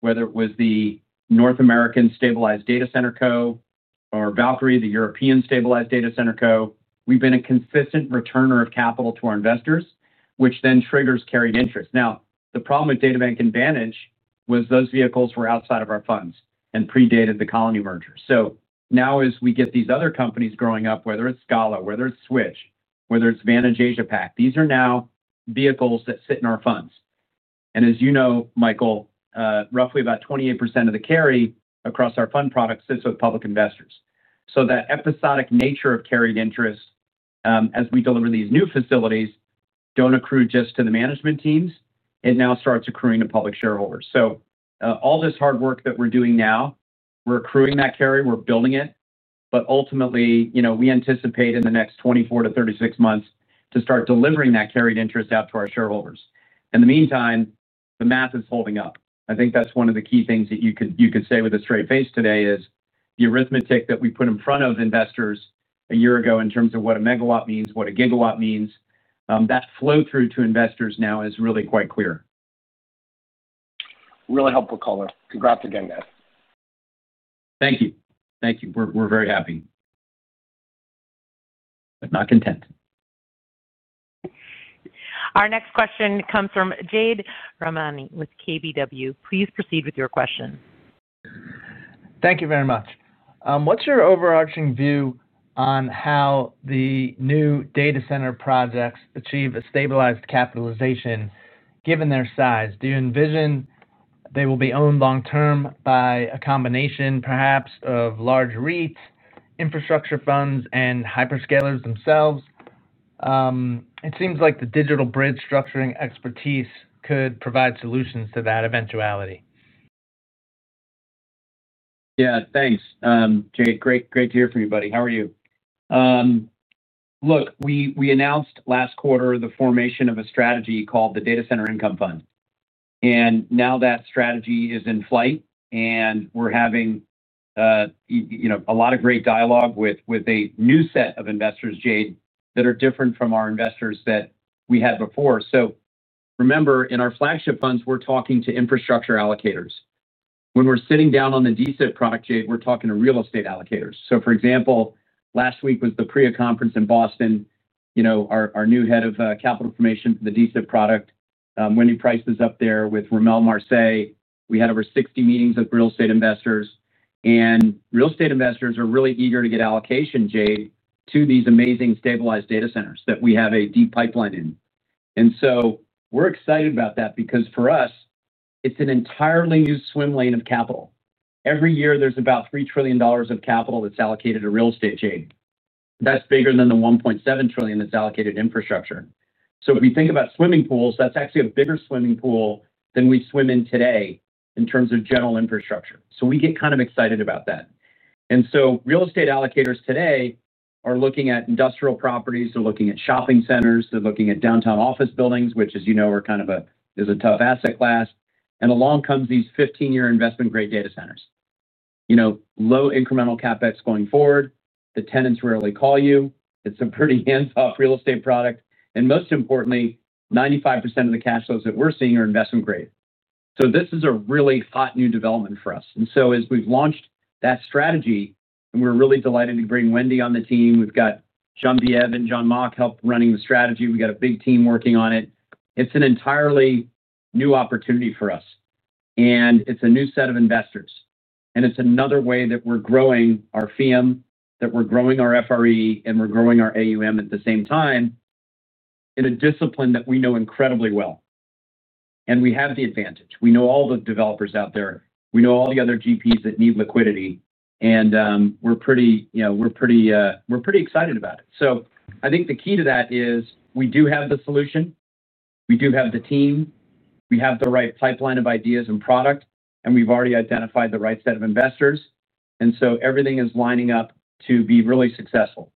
whether it was the North American Stabilized Data Center Co or Valkyrie, the European Stabilized Data Center Co, we've been a consistent returner of capital to our investors, which then triggers carried interest. The problem with DataBank Advantage was those vehicles were outside of our funds and predated the Colony merger. Now as we get these other companies growing up, whether it's Scala, whether it's Switch, whether it's Vantage, Asia PAC, these are now vehicles that sit in our funds. As you know, Michael, roughly about 28% of the carry across our fund products sits with public investors. That episodic nature of carried interest as we deliver these new facilities doesn't accrue just to the management teams. It now starts accruing to public shareholders. All this hard work that we're doing now, we're accruing that carry, we're building it, but ultimately, we anticipate in the next 24-36 months to start delivering that carried interest out to our shareholders. In the meantime, the math is holding up. I think that's one of the key things that you could say with a straight face today is the arithmetic that we put in front of investors a year ago in terms of what a megawatt means, what a gigawatt means, that flow through to investors now is really quite clear, really helpful color. Congrats again, guys. Thank you. Thank you. We're very happy, but not content. Our next question comes from Jade Rahmani with KBW. Please proceed with your question. Thank you very much. What's your overarching view on how the new data center projects achieve a stabilized capitalization? Given their size, do you envision they will be owned long term by a combination perhaps of large REITs, infrastructure funds, and hyperscalers themselves? It seems like the DigitalBridge structuring expertise could provide solutions to that eventuality. Yeah, thanks, Jade. Great to hear from you, buddy. How are you? Look, we announced last quarter the formation of a strategy called the Data Center Income Fund. Now that strategy is in flight and we're having a lot of great dialogue with a new set of investors, Jade, that are different from our investors that we had before. Remember, in our flagship funds we're talking to infrastructure allocators. When we're sitting down on the DC product, Jade, we're talking to real estate allocators. For example, last week was the PREA conference in Boston. Our new Head of Capital Formation, the DC product, Wendy Pryce, is up there with Rommel Marseille. We had over 60 meetings with real estate investors and real estate investors are really eager to get allocation, Jade, to these amazing stabilized data centers that we have a deep pipeline in. We're excited about that because for us it's an entirely new swim lane of capital. Every year, there's about $3 trillion of capital that's allocated to real estate, Jade. That's bigger than the $1.7 trillion that's allocated to infrastructure. If you think about swimming pools, that's actually a bigger swimming pool than we swim in today in terms of general infrastructure. We get kind of excited about that. Real estate allocators today are looking at industrial properties, they're looking at shopping centers, they're looking at downtown office buildings, which as you know are kind of a tough asset class. Along come these 15-year investment grade data centers, low incremental CapEx going forward, the tenants rarely call you. It's a pretty hands-off real estate product and most importantly, 95% of the cash flows that we're seeing are investment grade. This is a really hot new development for us. As we've launched that strategy and we're really delighted to bring Wendy on the team, we've got John B and Jon Mauck helping run the strategy. We got a big team working on it. It's an entirely new opportunity for us and it's a new set of investors and it's another way that we're growing our FEEUM, that we're growing our FRE and we're growing our AUM at the same time in a discipline that we know incredibly well. We have the advantage. We know all the developers out there, we know all the other GPs that need liquidity and we're pretty excited about it. I think the key to that is we do have the solution, we do have the team, we have the right pipeline of ideas and product and we've already identified the right set of investors. Everything is lining up to be really successful.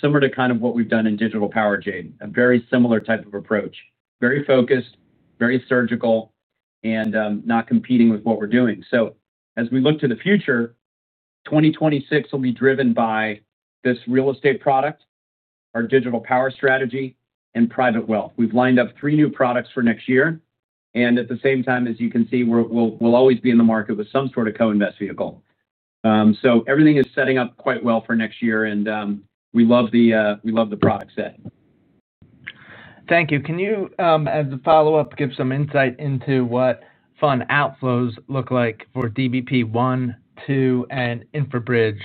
Similar to kind of what we've done in Digital Power Jade. A very similar type of approach. Very focused, very surgical and not competing with what we're doing. As we look to the future, 2026 will be driven by this real estate product, our digital power strategy and private wealth. We've lined up three new products for next year and at the same time, as you can see, we'll always be in the market with some sort of co-invest vehicle. Everything is setting up quite well for next year. We love the product set. Thank you. Can you, as a follow up, give some insight into what fund outflows look like for DBP1, 2 and InfraBridge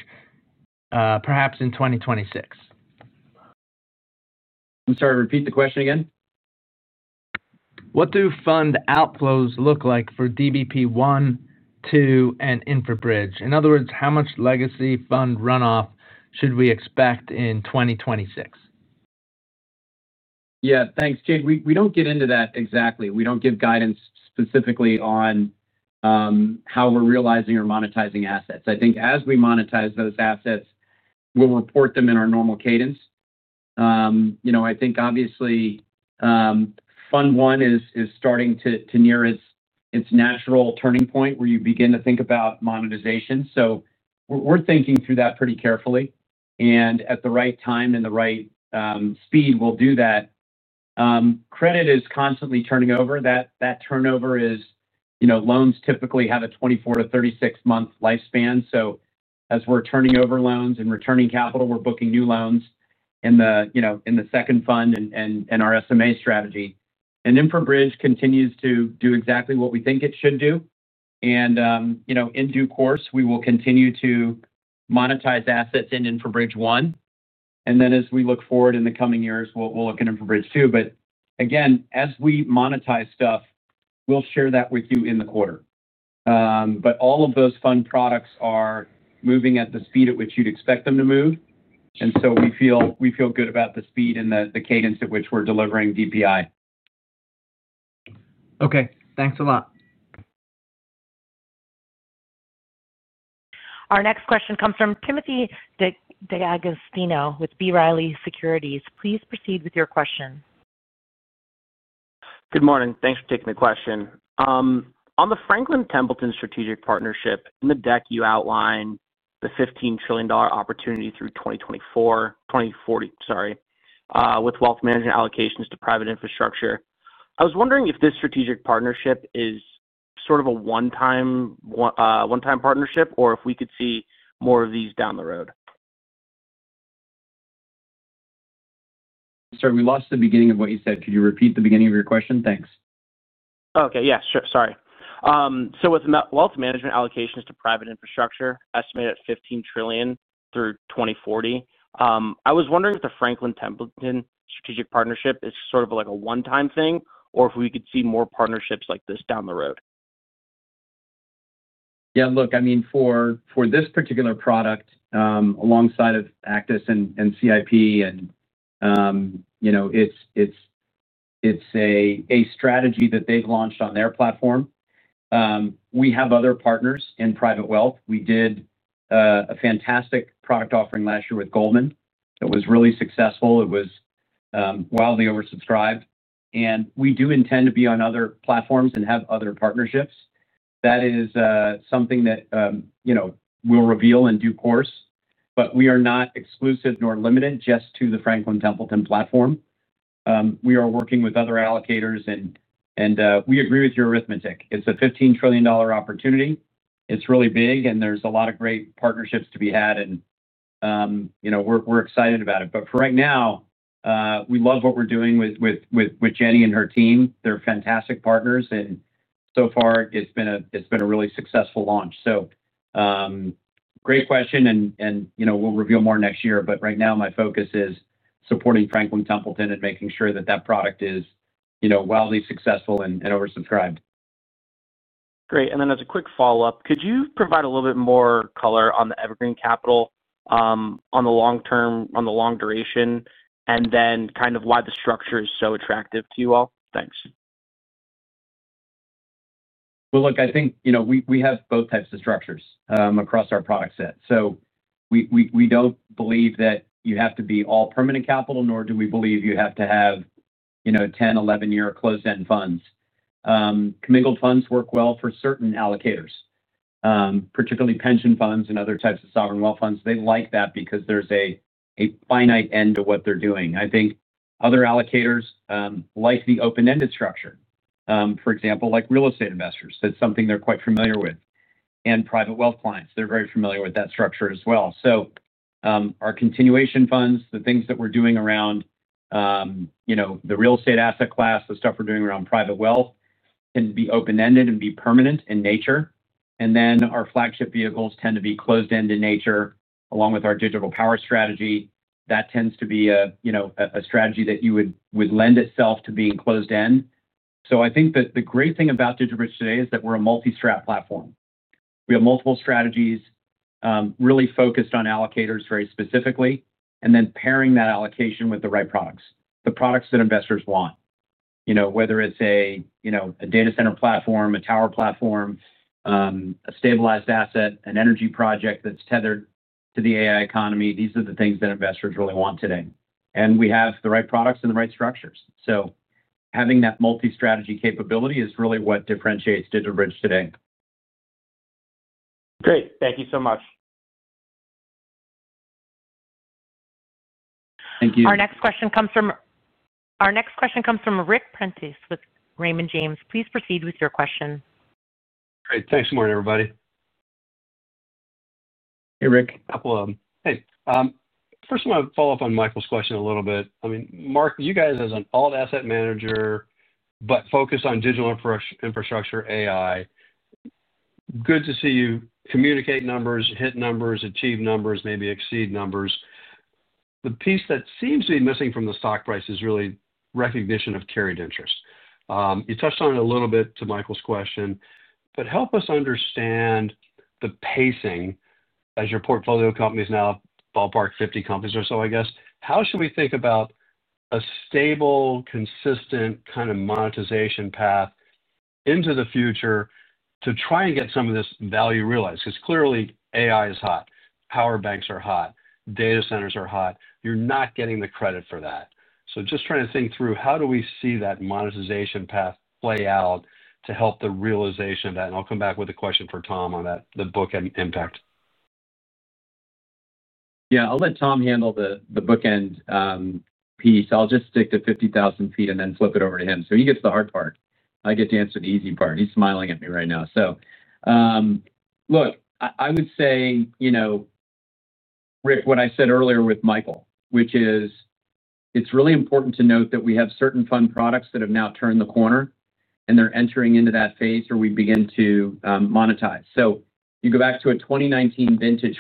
perhaps in 2026? I'm sorry, repeat the question again. What do fund outflows look like for DBP1, 2 and InfraBridge? In other words, how much legacy fund runoff should we expect in 2026? Yeah, thanks, Jade. We don't get into that exactly. We don't give guidance specifically on how we're realizing or monetizing assets. I think as we monetize those assets, we'll report them in our normal cadence. I think obviously fund one is starting to near its natural turning point where you begin to think about monetization. We're thinking through that pretty carefully. At the right time and the right speed, we'll do that. Credit is constantly turning over. That turnover is, you know, loans typically have a 24 to 36 month lifespan. As we're turning over loans and returning capital, we're booking new loans in the second fund. Our SMA strategy and InfraBridge continues to do exactly what we think it should do. In due course, we will continue to monetize assets in InfraBridge 1. As we look forward in the coming years, we'll look at InfraBridge 2. Again, as we monetize stuff, we'll share that with you in the quarter. All of those fund products are moving at the speed at which you'd expect them to move, and we feel good about the speed and the cadence at which we're delivering DPI. Okay, thanks a lot. Our next question comes from Timothy D'Agostino with B. Riley Securities. Please proceed with your question. Good morning. Thanks for taking the question. On the Franklin Templeton strategic partnership in. The deck, you outline the $15 trillion opportunity through 2024. 2040. Sorry. With wealth management allocations to private infrastructure. I was wondering if this strategic partnership. Is this sort of a one-time partnership, or could we see more of these down the road? Sorry, we lost the beginning of what you said. Could you repeat the beginning of your question? Thanks. Okay, yeah, sure. With wealth management allocations to private. Infrastructure estimated at $15 trillion through 2040. I was wondering if the Franklin Templeton. Strategic partnership is sort of like a. One time thing, or if we could see more partnerships like this down the road. Yeah, look, I mean for this particular product alongside Actis and CIP, it's a strategy that they've launched on their platform. We have other partners in private wealth. We did a fantastic product offering last year with Goldman that was really successful. It was wildly oversubscribed. We do intend to be on other platforms and have other partnerships. That is something that will reveal in due course. We are not exclusive nor limited just to the Franklin Templeton platform. We are working with other allocators and we agree with your arithmetic. It's a $15 trillion opportunity. It's really big and there's a lot of great partnerships to be had and we're excited about it. For right now, we love what we're doing with Jenny and her team. They're fantastic partners and so far it's been a really successful launch. Great question and we'll reveal more next year. Right now my focus is supporting Franklin Templeton and making sure that product is wildly successful and oversubscribed. Great. As a quick follow up. Could you provide a little bit more? Color on the evergreen capital, on the long term, on the long duration, and then kind of why the structure is so attractive to you all. Thanks. I think, you know, we have both types of structures across our product set. We don't believe that you have to be all permanent capital, nor do we believe you have to have, you know, 10, 11 year closed end funds. Commingled funds work well for certain allocators, particularly pension funds and other types of sovereign wealth funds. They like that because there's a finite end to what they're doing. I think other allocators like the open ended structure, for example, like real estate investors, that's something they're quite familiar with. Private wealth clients are very familiar with that structure as well. Our continuation funds, the things that we're doing around the real estate asset class, the stuff we're doing around private wealth can be open ended and be permanent in nature. Our flagship vehicles tend to be closed end in nature along with our digital power strategy. That tends to be a strategy that would lend itself to being closed end. I think that the great thing about DigitalBridge today is that we're a multi-strategy platform. We have multiple strategies really focused on allocators very specifically and then pairing that allocation with the right products, the products that investors want, whether it's a data center platform, a tower platform, a stabilized asset, an energy project that's tethered to the economy, these are the things that investors really want today. We have the right products and the right structures. Having that multi-strategy capability is really what differentiates DigitalBridge today. Great, thank you so much. Thank you. Our next question comes from Ric Prentiss with Raymond James. Please proceed with your question. Great, thanks. Morning everybody. Hey, Ric. Couple of them. First, I want to follow up on Michael's question a little bit. I mean Marc, you guys as an. Alt asset manager, but focused on digital infrastructure AI. Good to see you. Communicate numbers, hit numbers, achieve numbers, maybe exceed numbers. The piece that seems to be missing from the stock price is really recognition of carried interest. You touched on it a little bit to Michael's question. Help us understand the pacing as your portfolio companies now ballpark 50 companies or so. I guess, how should we think about a stable, consistent kind of monetization path into the future to try and get some of this value realized? Because clearly AI is hot. Power banks are hot. Data centers are hot. You're not getting the credit for that. Just trying to think through how. Do we see that monetization path play? To help the realization of that. I'll come back with a question for Tom on that. The book and impact. Yeah, I'll let Tom handle the bookend piece. I'll just stick to 50,000 ft and then flip it over to him so he gets the hard part. I get to answer the easy part. He's smiling at me right now. Look, I would say, you know, Ric, what I said earlier with Michael, which is it's really important to note that we have certain fund products that have now turned the corner and they're entering into that phase where we begin to monetize. You go back to a 2019 vintage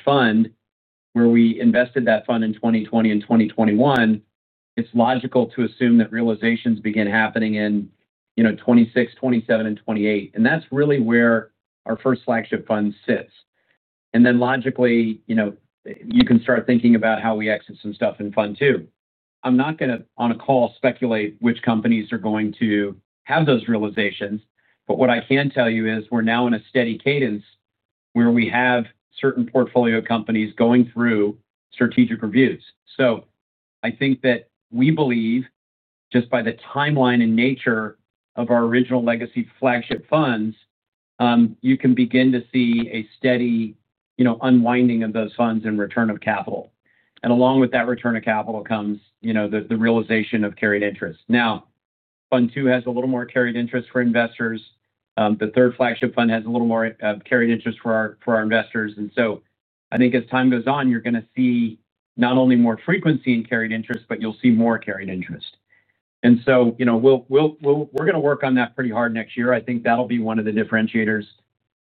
fund where we invested that fund in 2020 and 2021. It's logical to assume that realizations begin happening in 2026, 2027, and 2028. That's really where our first flagship fund sits. Logically, you can start thinking about how we exit some stuff in fund two. I'm not going to on a call speculate which companies are going to have those realizations, but what I can tell you is we're now in a steady cadence where we have certain portfolio companies going through strategic reviews. I think that we believe just by the timeline and nature of our original legacy flagship funds, you can begin to see a steady unwinding of those funds and return of capital. Along with that return of capital comes the realization of carried interest. Now, fund two has a little more carried interest for investors. The third flagship fund has a little more carried interest for our investors. I think as time goes on, you're going to see not only more frequency in carried interest, but you'll see more carried interest. We're going to work on that pretty hard next year. I think that'll be one of the differentiators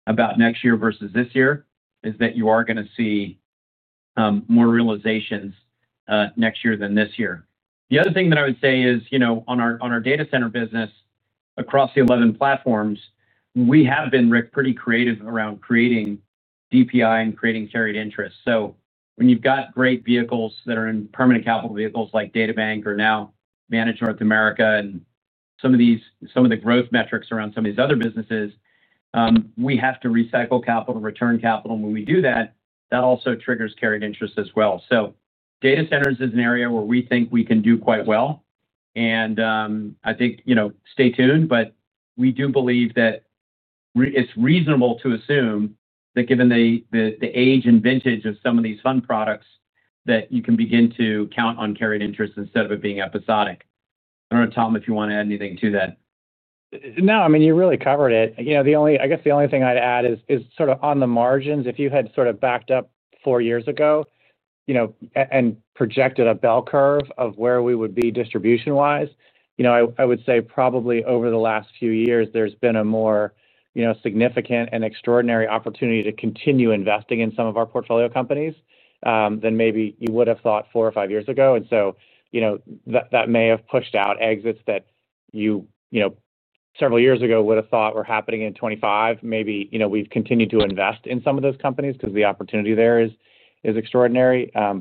about next year versus this year, that you are going to see more realizations next year than this year. The other thing that I would say is, on our data center business, across the 11 platforms, we have been pretty creative around creating DPI and creating carried interest. When you've got great vehicles that are in permanent capital vehicles like Data bank or now Managed North America, and some of the growth metrics around some of these other businesses, we have to recycle capital, return capital. When we do that, that also triggers carried interest as well. Data centers is an area where we think we can do quite well and I think, you know, stay tuned. We do believe that it's reasonable to assume that given the age and vintage of some of these fund products, you can begin to count on carried interest instead of it being episodic. I don't know, Tom, if you want to add anything to that. No, I mean, you really covered it. The only thing I'd add is sort of on the margins. If you had sort of backed up four years ago and projected a bell curve of where we would be distribution wise, I would say probably over the last few years, there's been a more significant and extraordinary opportunity to continue investing in some of our portfolio companies than maybe you would have thought four or five years ago. That may have pushed out exits that you several years ago would have thought were happening, in 2025 maybe. We've continued to invest in some of those companies because the opportunity there is extraordinary. I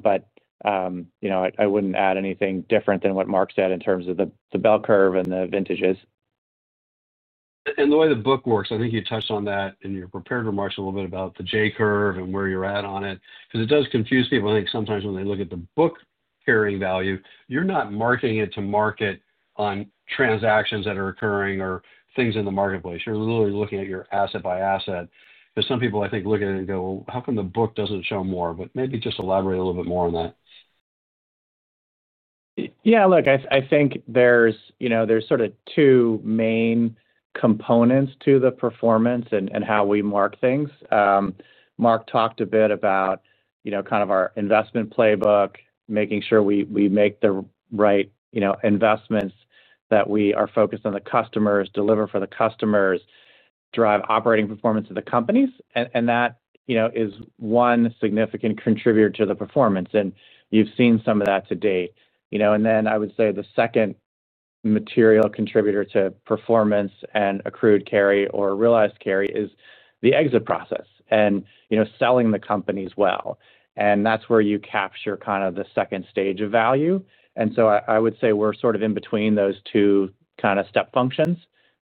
wouldn't add anything different than what Marc said in terms of the bell curve and the vintages. The way the book works, I think you touched on that in your prepared remarks a little bit about the J curve and where you're at on it. It does confuse people, I think, sometimes when they look at the book carrying value. You're not marking it to market on transactions that are occurring. Things in the marketplace. You're literally looking at your asset by asset. Because some people, I think, look at. How come the book doesn't show more? Maybe just elaborate a little bit more on that. Yeah, look, I think there's sort of two main components to the performance and how we mark things. Marc talked a bit about kind of our investment playbook, making sure we make the right investments, that we are focused on the customers, deliver for the customers, drive operating performance of the companies. That is one significant contributor to the performance, and you've seen some of that to date. I would say the second material contributor to performance and accrued carry or realized carry is the exit process and selling the companies well. That's where you capture kind of the second stage of value. I would say we're sort of in between those two kind of step functions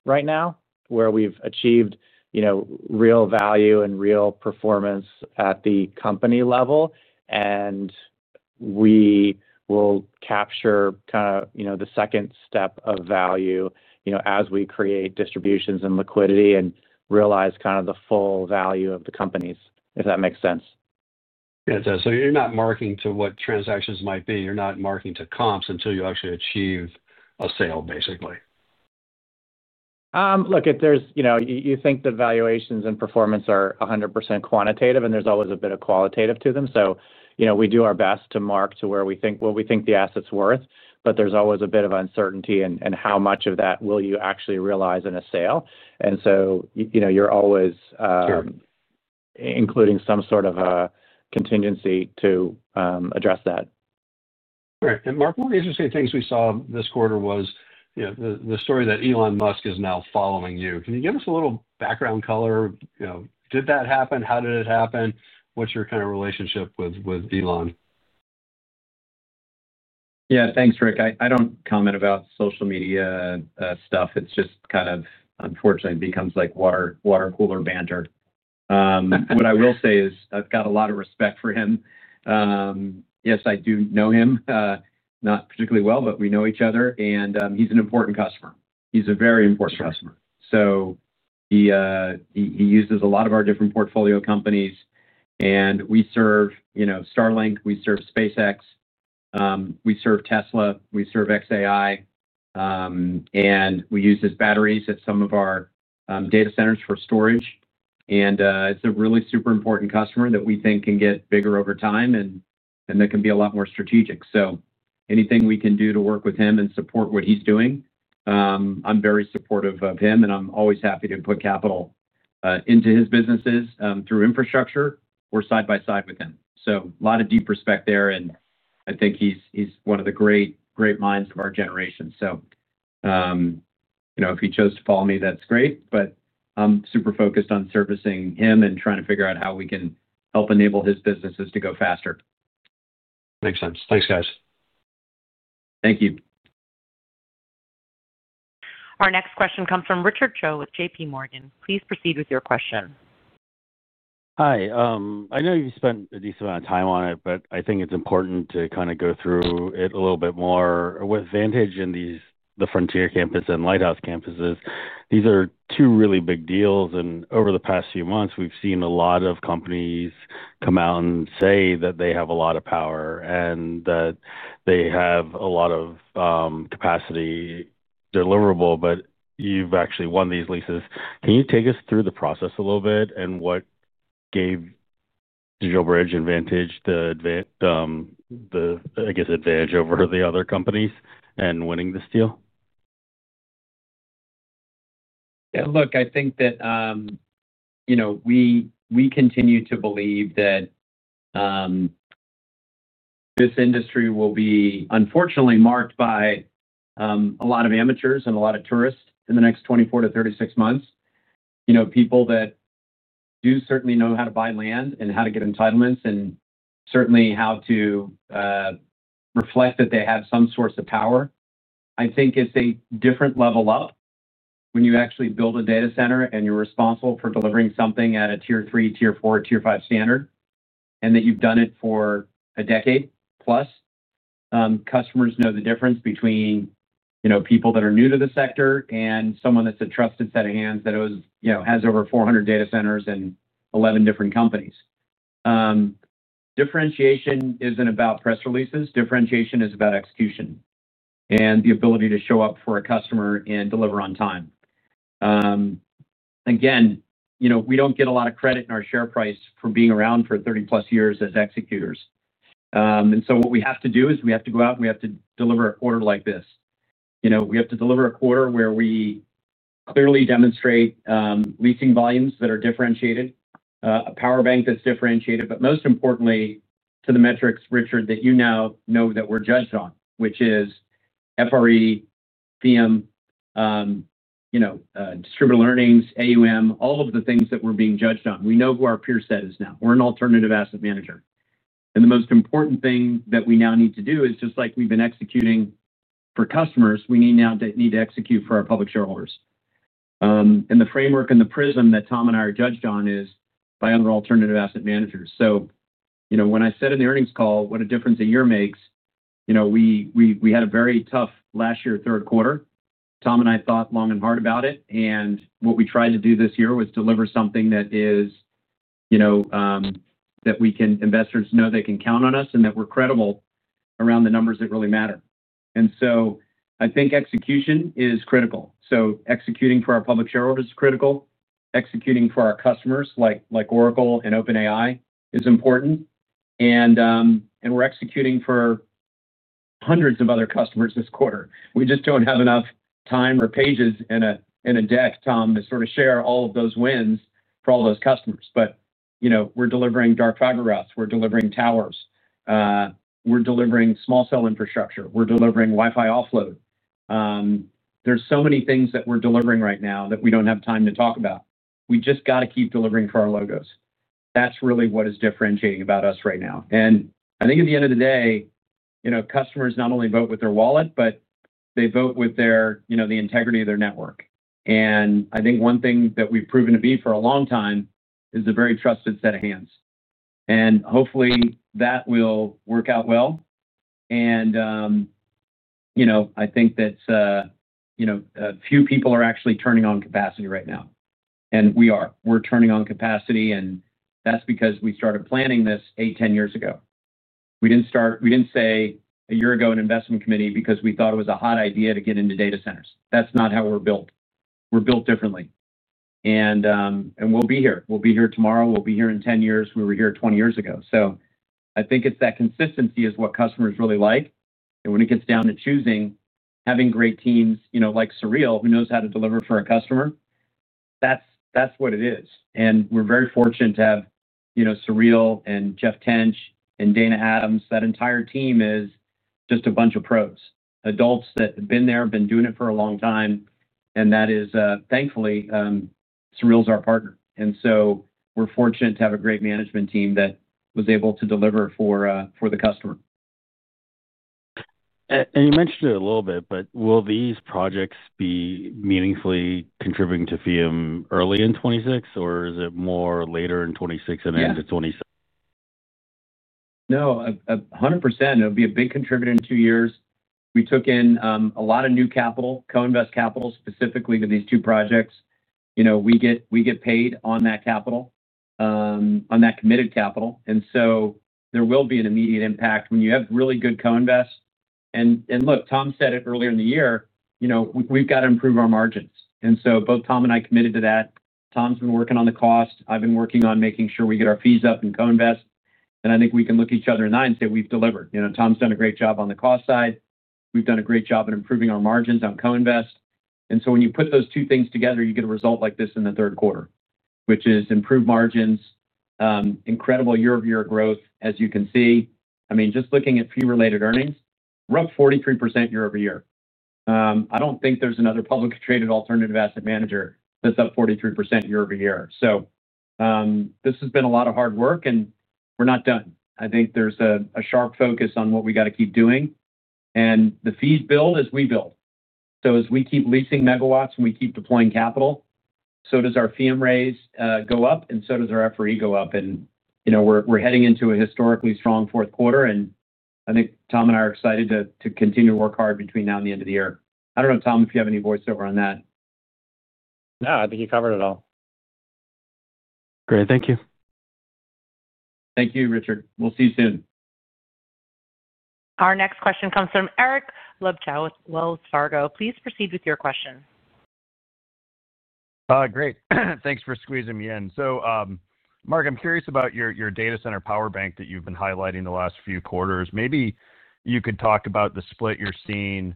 right now where we've achieved real value and real performance at the company level. We will capture kind of the second step of value as we create distributions and liquidity and realize kind of the full value of the companies, if that makes sense. Yeah, it does. You're not marking to what transactions might be, you're not marking to comps. Until you actually achieve sale, basically. Look, if you think the valuations and performance are 100% quantitative, there's always a bit of qualitative to them. We do our best to mark to where we think the assets are worth, but there's always a bit of uncertainty in how much of that you will actually realize in a sale. You're always including some sort of a contingency to address that. Right. Marc, one of the interesting things we saw this quarter was the story that Elon Musk is now following you. Can you give us a little background color? Did that happen? How did it happen? What's your kind of relationship with Elon? Yeah, thanks, Ric. I don't comment about social media stuff. It just kind of unfortunately becomes like water cooler banter. What I will say is I've got a lot of respect for him. Yes, I do know him. Not particularly well, but we know each other and he's an important customer. He's a very important customer. He uses a lot of our different portfolio companies and we serve, you know, Starlink, we serve SpaceX, we serve Tesla, we serve xAI, and we use his batteries at some of our data centers for storage. It's a really super important customer that we think can get bigger over time and that can be a lot more strategic. Anything we can do to work with him and support what he's doing, I'm very supportive of him and I'm always happy to put capital into his businesses through infrastructure or side by side with him. A lot of deep respect there. I think he's one of the great, great minds of our generation. If he chose to follow me, that's great. I'm super focused on servicing him and trying to figure out how we can help enable his businesses to go faster. Makes sense. Thanks, guys. Thank you. Our next question comes from Richard Choe with J.P. Morgan. Please proceed with your question. Hi. I know you spent a decent amount of time on it, but I think it's important to kind of go through it a little bit more with Vantage and these, the Frontier Campus and Lighthouse campus. These are two really big deals. Over the past few months, we've seen a lot of companies come out and say that they have a lot of power and that they have a lot of capacity deliverable, but you've actually won these leases. Can you take us through the process a little bit? What gave DigitalBridge the advantage over the other companies in winning this deal? I think that, you know, we continue to believe that. This industry. Will be unfortunately marked by a lot of amateurs and a lot of tourists in the next 24 to 36 months. You know, people that do certainly know how to buy land and how to get entitlements and certainly how to reflect that they have some source of power. I think it's a different level up when you actually build a data center and you're responsible for delivering something at a tier 3, tier 4, tier 5 standard and that you've done it for a decade plus. Customers know the difference between, you know, people that are new to the sector and someone that's a trusted set of hands that has over 400 data centers and 11 different companies. Differentiation isn't about press releases. Differentiation is about execution and the ability to show up for a customer and deliver on time. You know, we don't get a lot of credit in our share price for being around for 30+ years as executors. What we have to do is we have to go out, we have to deliver an order like this. We have to deliver a quarter where we clearly demonstrate leasing volumes that are differentiated, a power bank that's differentiated. Most importantly to the metrics, Richard, that you now know that we're judged on, which is FEEUM, fee-related earnings, AUM, all of the things that we're being judged on. We know who our peer set is now. We're an alternative asset manager. The most important thing that we now need to do is just like we've been executing for customers, we now need to execute for our public shareholders. The framework and the prism that Tom and I are judged on is by other alternative asset managers. You know, when I said in the earnings call what a difference a year makes, we had a very tough last year, third quarter, Tom and I thought long and hard about it. What we tried to do this year was deliver something that is, you know, that we can, investors know they can count on us and that we're credible around the numbers that really matter. I think execution is critical. Executing for our public shareholders is critical. Executing for our customers like Oracle and OpenAI is important. We're executing for hundreds of other customers this quarter. We just don't have enough time or pages in a deck, Tom, to sort of share all of those wins for all those customers. You know, we're delivering dark fiber routes, we're delivering towers, we're delivering small cell infrastructure, we're delivering Wi-Fi offload. There are so many things that we're delivering right now that we don't have time to talk about. We just have to keep delivering for our logos. That's really what is differentiating about us right now. I think at the end of the day, customers not only vote with their wallet, but they vote with the integrity of their network. I think one thing that we've proven to be for a long time is a very trusted set of hands and hopefully that will work out well. I think that few people are actually turning on capacity right now. We are, we're turning on capacity and that's because we started planning this eight, 10 years ago. We didn't say a year ago, an investment committee, because we thought it was a hot idea to get into data centers. That's not how we're built. We're built differently. We'll be here, we'll be here tomorrow, we'll be here in 10 years. We were here 20 years ago. I think it's that consistency that customers really like. When it gets down to choosing, having great teams like Surreal, who knows how to deliver for a customer, that's what it is. We're very fortunate to have Sureel and Jeff Tench and Dana Adams. That entire team is just a bunch of pros, adults that have been there, been doing it for a long time and thankfully Surreal is our partner. We're fortunate to have a great management team that was able to deliver for the customer. You mentioned it a little bit. Will these projects be meaningfully contributing to FEEUM early in 2026, or is it more later in 2026 and into 2027? No, 100%. It'll be a big contributor in two years. We took in a lot of new capital, co-invest capital specifically to these two projects. We get paid on that capital, on that committed capital, and so there will be an immediate impact when you have really good co-invest. Tom said it earlier in the year, you know, we've got. To improve our margins. Both Tom and I committed to that. Tom's been working on the cost, I've been working on making sure we get our fees up and co-invest, and I think we can look at each other in the eye and say we've delivered. Tom's done a great job on the cost side. We've done a great job at improving our margins on co-invest. When you put those two things together, you get a result like this in the third quarter, which is improved margins. Incredible year-over-year growth as you can see. I mean just looking at fee-related earnings, roughly 43% year-over-year. I don't think there's another publicly traded alternative asset manager that's up 43% year-over-year. This has been a lot of hard work and we're not done. I think there's a sharp focus on. What we got to keep doing. The fees build as we build, as we keep leasing megawatts and we keep deploying capital. Our fee and raise go up, and so does our FEEUM go up. We're heading into a historically strong fourth quarter, and I think Tom and I are excited to continue to work hard between now and the end of the year. I don't know, Tom, if you have any voiceover on that. No, I think you covered it all. Great, thank you. Thank you, Richard. See you soon. Our next question comes from Eric Luebchow at Wells Fargo, please proceed with your question. Great. Thanks for squeezing me in. Marc, I'm curious about your data center power bank that you've been highlighting the last few quarters. Maybe you could talk about the split you're seeing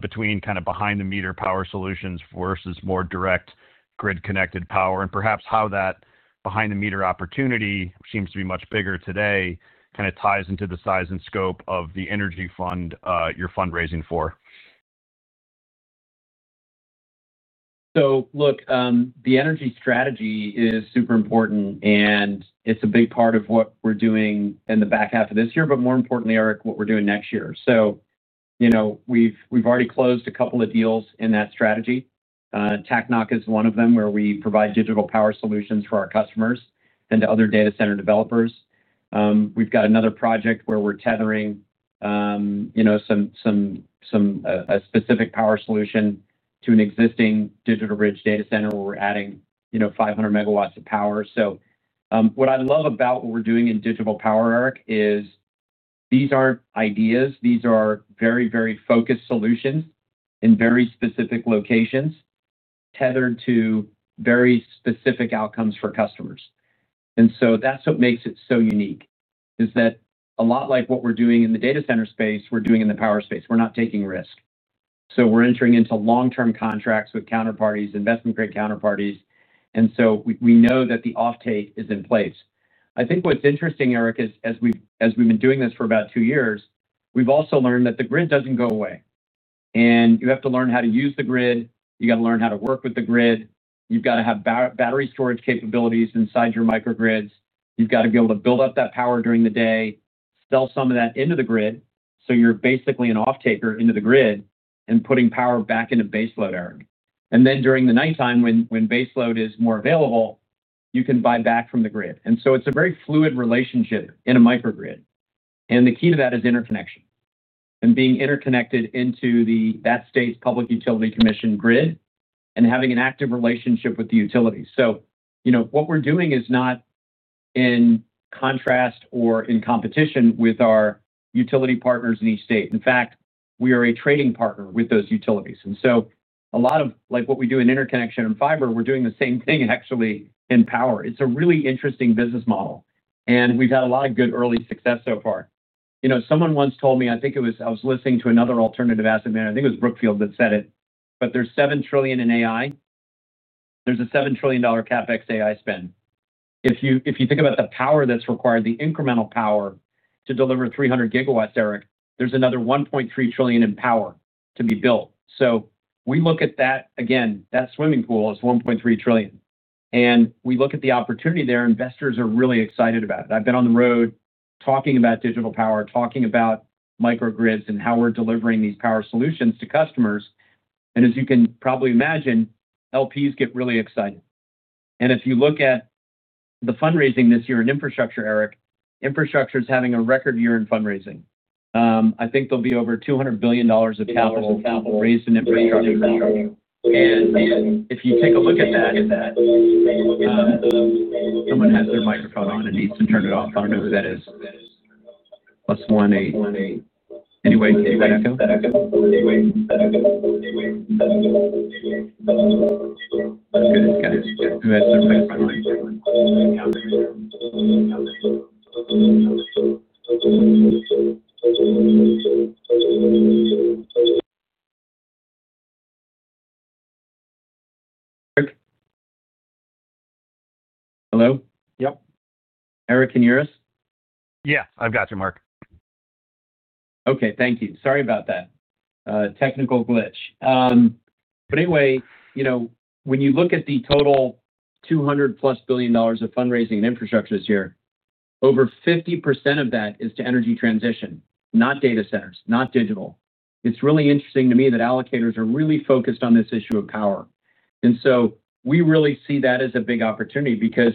between kind of behind-the-meter power solutions versus more direct grid-connected power, and perhaps how that behind-the-meter opportunity seems to be much bigger today. Kind of ties into the size and scope of the energy fund you're fundraising for. The energy strategy is super important and it's a big part of what we're doing in the back half of this year, but more importantly, Eric, what we're doing next year. We've already closed a couple of deals in that strategy. Tacnach is one of them where we provide digital power solutions for our customers and to other data center developers. We've got another project where we're tethering a specific power solution to an existing DigitalBridge data center where we're adding 500 MW of power. What I love about what we're doing in digital power, Eric, is these aren't ideas. These are very, very focused solutions in very specific locations tethered to very specific outcomes for customers. That's what makes it so unique, a lot like what we're doing in the data center space, we're doing in the power space. We're not taking risk. We're entering into long-term contracts with counterparties, investment grade counterparties. We know that the offtake is in place. I think what's interesting, Eric, is as we've been doing this for about two years, we've also learned that the grid doesn't go away and you have to learn how to use the grid. You got to learn how to work with the grid. You've got to have battery storage capabilities inside your microgrids. You've got to be able to build up that power during the day, sell some of that into the grid. You're basically an off taker into the grid and putting power back into baseload, Eric. During the nighttime when baseload is more available, you can buy back from the grid. It's a very fluid relationship in a microgrid. The key to that is interconnection and being interconnected into that state's public utility commission grid and having an active relationship with the utility. What we're doing is not in contrast or in competition with our utility partners in each state. In fact, we are a trading partner with those utilities. A lot of like what we do in interconnection and fiber, we're doing the same thing actually in power. It's a really interesting business model and we've had a lot of good early success so far. Someone once told me, I think I was listening to another alternative asset manager, I think it was Brookfield that said it, but there's $7 trillion in AI. There's a $7 trillion CapEx AI spend. If you think about the power that's required, the incremental power to deliver, 300 GW, Eric, there's another $1.3 trillion in power to be built. We look at that again, that swimming pool is $1.3 trillion. We look at the opportunity there. Investors are really excited about it. I've been on the road talking about digital power, talking about micro grids and how we're delivering these power solutions to customers. As you can probably imagine, LPs get really excited. If you look at the fundraising this year in infrastructure, Eric, infrastructure is having a record year in fundraising. I think there'll be over $200 billion of capital raised in infrastructure. If you take a look at that, someone has their microphone on and needs to turn it off. Know who that is? Plus 1 8. Anyway. Hello? Yep. Eric, can you hear us? Yeah, I've got you, Marc. Okay, thank you. Sorry about that technical glitch. Anyway, when you look at the total $200+ billion of fundraising in infrastructure this year, over 50% of that is to energy transition, not data centers, not digital. It's really interesting to me that allocators are really focused on this issue of power. We really see that as a big opportunity because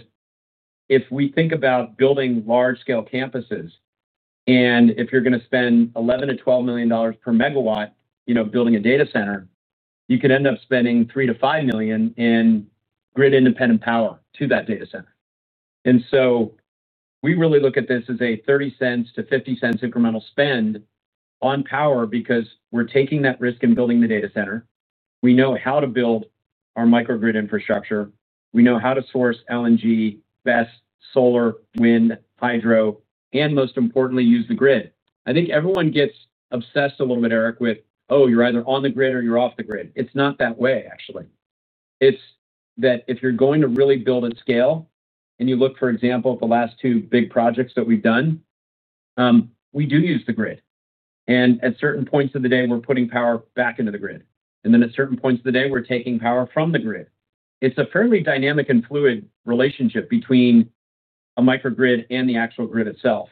if we think about building large scale campuses and if you're going to spend $11 million-$12 million per megawatt building a data center, you could end up spending $3 million-$5 million in grid independent power to that data center. We really look at this as a $0.30 to $0.50 incremental spend on power because we're taking that risk and building the data center. We know how to build our micro grid infrastructure. We know how to source LNG, best solar, wind, hydro, and most importantly, use the grid. I think everyone gets obsessed a little bit, Eric, with oh, you're either on the grid or you're off the grid. It's not that way actually. If you're going to really build at scale and you look, for example, at the last two big projects that we've done, we do use the grid and at certain points of the day we're putting power back into the grid and then at certain points of the day we're taking power from the grid. It's a fairly dynamic and fluid relationship between a micro grid and the actual grid itself.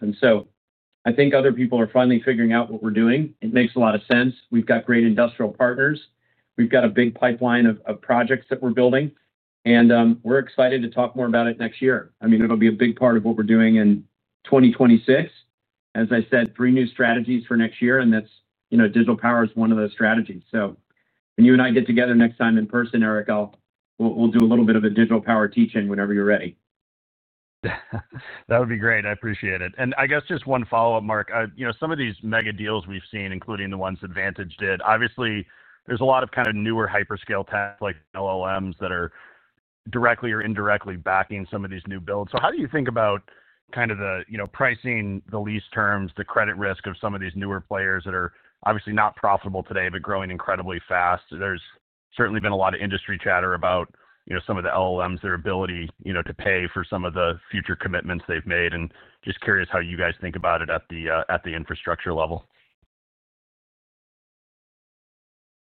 I think other people are finally figuring out what we're doing. It makes a lot of sense. We've got great industrial partners, we've got a big pipeline of projects that we're building and we're excited to talk more about it next year. It'll be a big part of what we're doing. In 2026, as I said, three new strategies for next year. Digital power is one of those strategies. When you and I get together next time in person, Eric, we'll do a little bit of a digital power teaching whenever you're ready. That would be great. I appreciate it. I guess just one follow up, Marc. You know, some of these mega deals we've seen, including the ones Vantage did, obviously there's a lot of kind of newer hyperscale tech like LLMs that are directly or indirectly backing some of these new builds. How do you think about kind of the, you know, pricing, the lease terms, the credit risk of some of these newer players that are obviously not profitable today, but growing incredibly fast? There's certainly been a lot of industry chatter about, you know, some of the LLMs, their ability, you know, to pay for some of the future commitments they've made. Just curious how you guys think about it at the infrastructure level.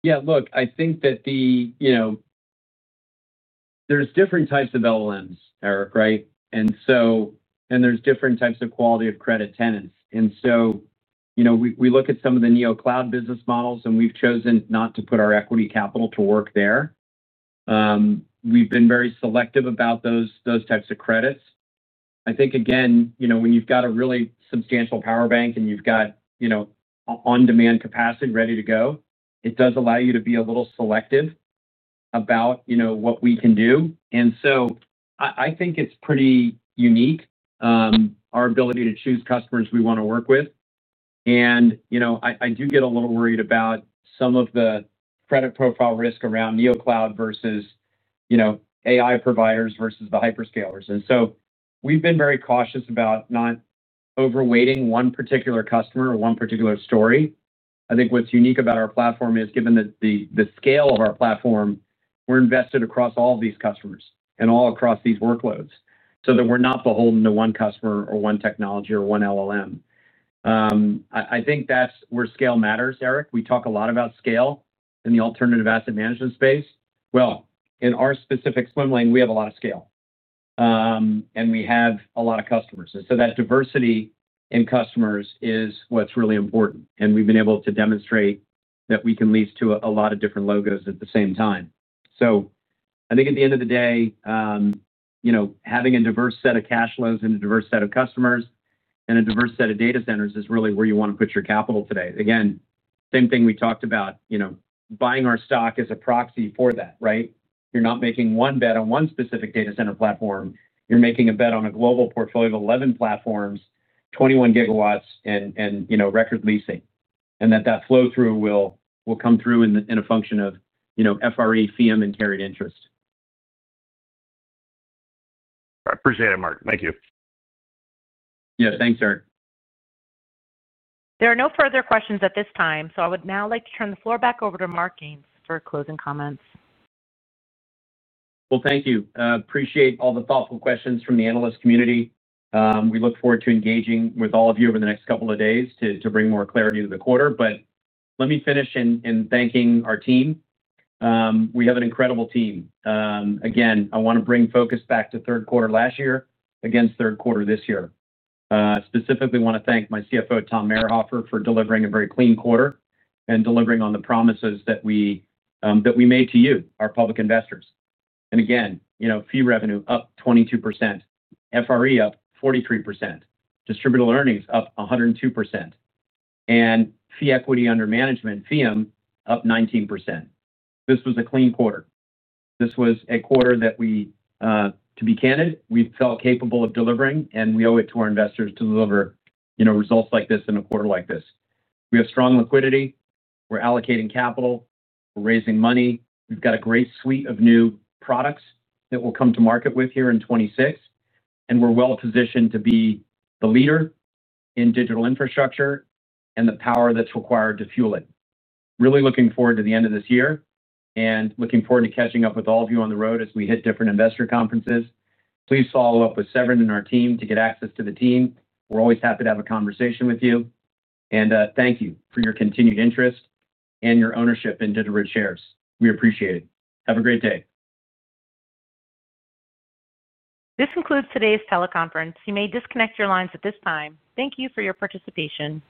Yeah, look, I think that there's different types of LLMs, Eric. Right. There's different types of quality of credit tenants. We look at some of the neo cloud business models and we've chosen not to put our equity capital to work there. We've been very selective about those types of credits. I think, again, when you've got a really substantial power bank and you've got on demand capacity ready to go, it does allow you to be a little selective about what we can do. I think it's pretty unique, our ability to choose customers we want to work with. I do get a little worried about some of the credit profile risk around neo cloud versus AI providers versus the hyperscalers. We've been very cautious about not overweighting one particular customer or one particular story. I think what's unique about our platform is given the scale of our platform, we're invested across all these customers and all across these workloads so that we're not beholden to one customer or one technology or one LLM. I think that's where scale matters. Eric, we talk a lot about scale in the alternative asset management space. In our specific swim lane, we have a lot of scale and we have a lot of customers. That diversity in customers is what's really important. We've been able to demonstrate that we can lease to a lot of different logos at the same time. I think at the end of the day, having a diverse set of cash flows and a diverse set of customers and a diverse set of data centers is really where you want to put your capital today. Again, same thing we talked about, buying our stock as a proxy for that. Right. You're not making one bet on one specific data center platform. You're making a bet on a global portfolio of 11 platforms, 21 GW and record leasing. That flow through will come through in a function of FRE, FEEUM and carried interest. Appreciate it, Marc. Thank you. Yeah, thanks, Eric. There are no further questions at this time. I would now like to turn the floor back over to Marc Ganzi for closing comments. Thank you. Appreciate all the thoughtful questions from the analyst community. We look forward to engaging with all of you over the next couple of days to bring more clarity to the quarter. Let me finish in thanking our team. We have an incredible team. I want to bring focus back to third quarter last year against third quarter this year. Specifically want to thank my CFO, Tom Mayrhofer, for delivering a very clean quarter and delivering on the promises that we made to you, our public investors. Again, fee revenue up 22%, FRE up 43%, distributable earnings up 102%, and fee-earning equity under management, FEEUM, up 19%. This was a clean quarter. This was a quarter that, to be candid, we felt capable of delivering and we owe it to our investors to deliver results like this in a quarter like this. We have strong liquidity, we're allocating capital, raising money. We've got a great suite of new products that we'll come to market with here in 2026, and we're well positioned to be the leader in digital infrastructure and the power that's required to fuel it. Really looking forward to the end of this year and looking forward to catching up with all of you on the road as we hit different investor conferences. Please follow up with Severin and our team to get access to the team. We're always happy to have a conversation with you and thank you for your continued interest and your ownership in DigitalBridge shares. We appreciate it. Have a great day. This concludes today's teleconference. You may disconnect your lines at this time. Thank you for your participation.